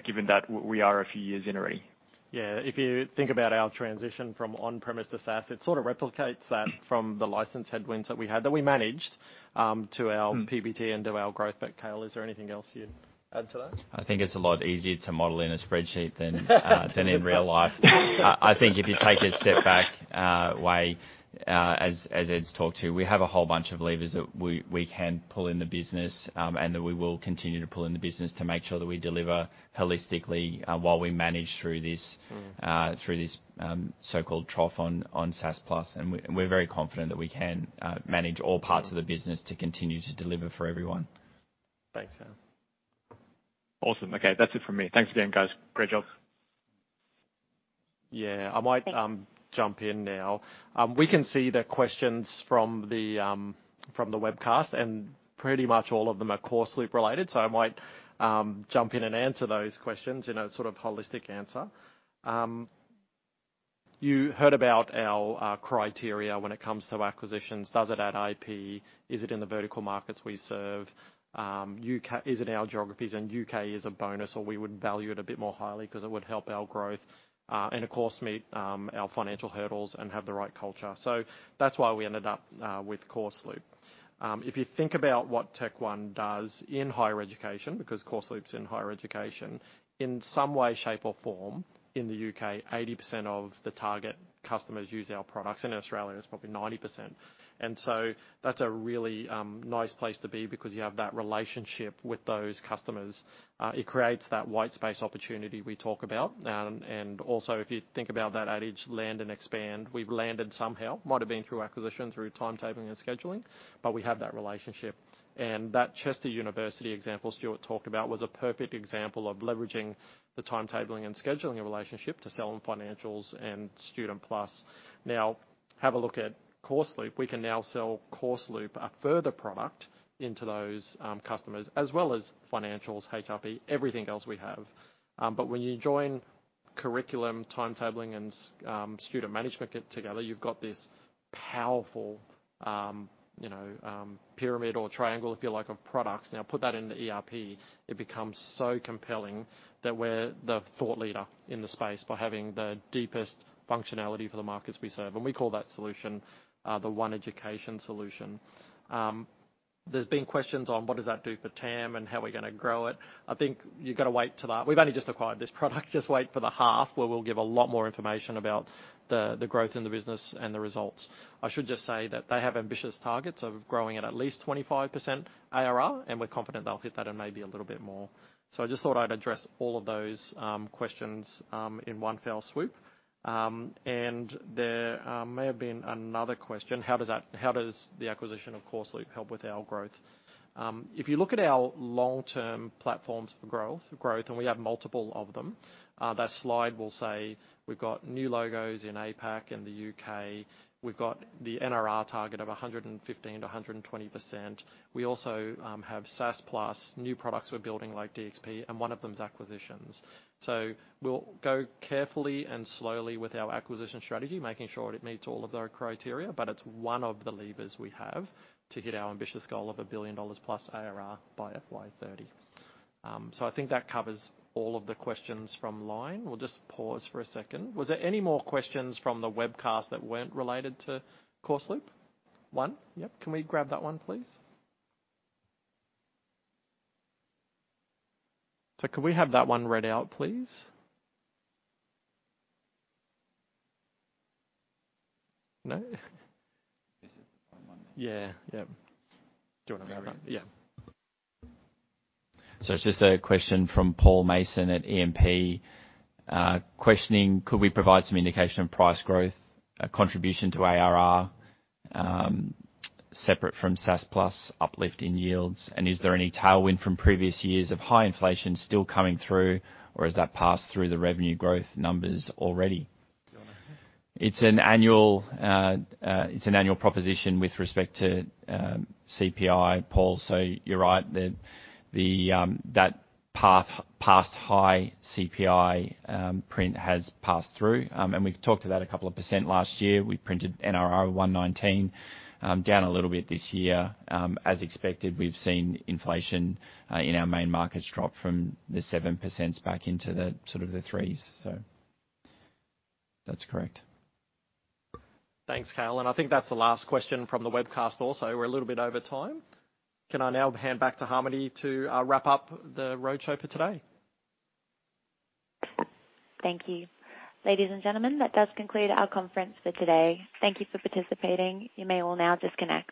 given that we are a few years in already? Yeah. If you think about our transition from on-premise to SaaS, it sort of replicates that from the license headwinds that we had that we managed to our PBT and to our growth. But Cale, is there anything else you'd add to that? I think it's a lot easier to model in a spreadsheet than in real life. I think if you take a step back, Wei, as Ed's talked to, we have a whole bunch of levers that we can pull in the business and that we will continue to pull in the business to make sure that we deliver holistically while we manage through this so-called trough on SaaS Plus, and we're very confident that we can manage all parts of the business to continue to deliver for everyone. Thanks, Al. Awesome. Okay. That's it from me. Thanks again, guys. Great job. Yeah. I might jump in now. We can see the questions from the webcast, and pretty much all of them are CourseLoop related, so I might jump in and answer those questions in a sort of holistic answer. You heard about our criteria when it comes to acquisitions. Does it add IP? Is it in the vertical markets we serve? Is it in our geographies? And U.K. is a bonus, or we would value it a bit more highly because it would help our growth and, of course, meet our financial hurdles and have the right culture. So that's why we ended up with CourseLoop. If you think about what TechOne does in higher education, because CourseLoop's in higher education, in some way, shape, or form, in the U.K., 80% of the target customers use our products. In Australia, it's probably 90%. And so that's a really nice place to be because you have that relationship with those customers. It creates that white space opportunity we talk about. And also, if you think about that adage, land and expand, we've landed somehow. Might have been through acquisition, through timetabling and scheduling, but we have that relationship. And that University of Chester example Stuart talked about was a perfect example of leveraging the timetabling and scheduling relationship to sell on financials and Student Plus. Now, have a look at CourseLoop. We can now sell CourseLoop, a further product into those customers, as well as financials, HR, everything else we have. But when you join curriculum, timetabling, and student management together, you've got this powerful pyramid or triangle, if you like, of products. Now, put that into ERP. It becomes so compelling that we're the thought leader in the space by having the deepest functionality for the markets we serve, and we call that solution the OneEducation Solution. There's been questions on what does that do for TAM and how are we going to grow it. I think you've got to wait till we've only just acquired this product. Just wait for the half where we'll give a lot more information about the growth in the business and the results. I should just say that they have ambitious targets of growing at least 25% ARR, and we're confident they'll hit that and maybe a little bit more. I just thought I'd address all of those questions in one fell swoop, and there may have been another question. How does the acquisition of CourseLoop help with our growth? If you look at our long-term platforms for growth, and we have multiple of them, that slide will say we've got new logos in APAC and the U.K. We've got the NRR target of 115%-120%. We also have SaaS Plus new products we're building like DXP, and one of them is acquisitions. So we'll go carefully and slowly with our acquisition strategy, making sure it meets all of those criteria, but it's one of the levers we have to hit our ambitious goal of 1 billion dollars+ ARR by FY30. So I think that covers all of the questions from line. We'll just pause for a second. Was there any more questions from the webcast that weren't related to CourseLoop? One? Yep. Can we grab that one, please? So can we have that one read out, please? No? This is the one Monday. Yeah. Yep. Do you want to grab it? Yeah. It's just a question from Paul Mason at E&P questioning, could we provide some indication of price growth, contribution to ARR separate from SaaS Plus uplift in yields? And is there any tailwind from previous years of high inflation still coming through, or has that passed through the revenue growth numbers already? Do you want to? It's an annual proposition with respect to CPI, Paul, so you're right that the past high CPI print has passed through, and we've talked to that a couple of percent last year. We printed NRR 119 down a little bit this year. As expected, we've seen inflation in our main markets drop from the 7% back into the sort of 3s, so that's correct. Thanks, Cale. And I think that's the last question from the webcast also. We're a little bit over time. Can I now hand back to Harmony to wrap up the roadshow for today? Thank you. Ladies and gentlemen, that does conclude our conference for today. Thank you for participating. You may all now disconnect.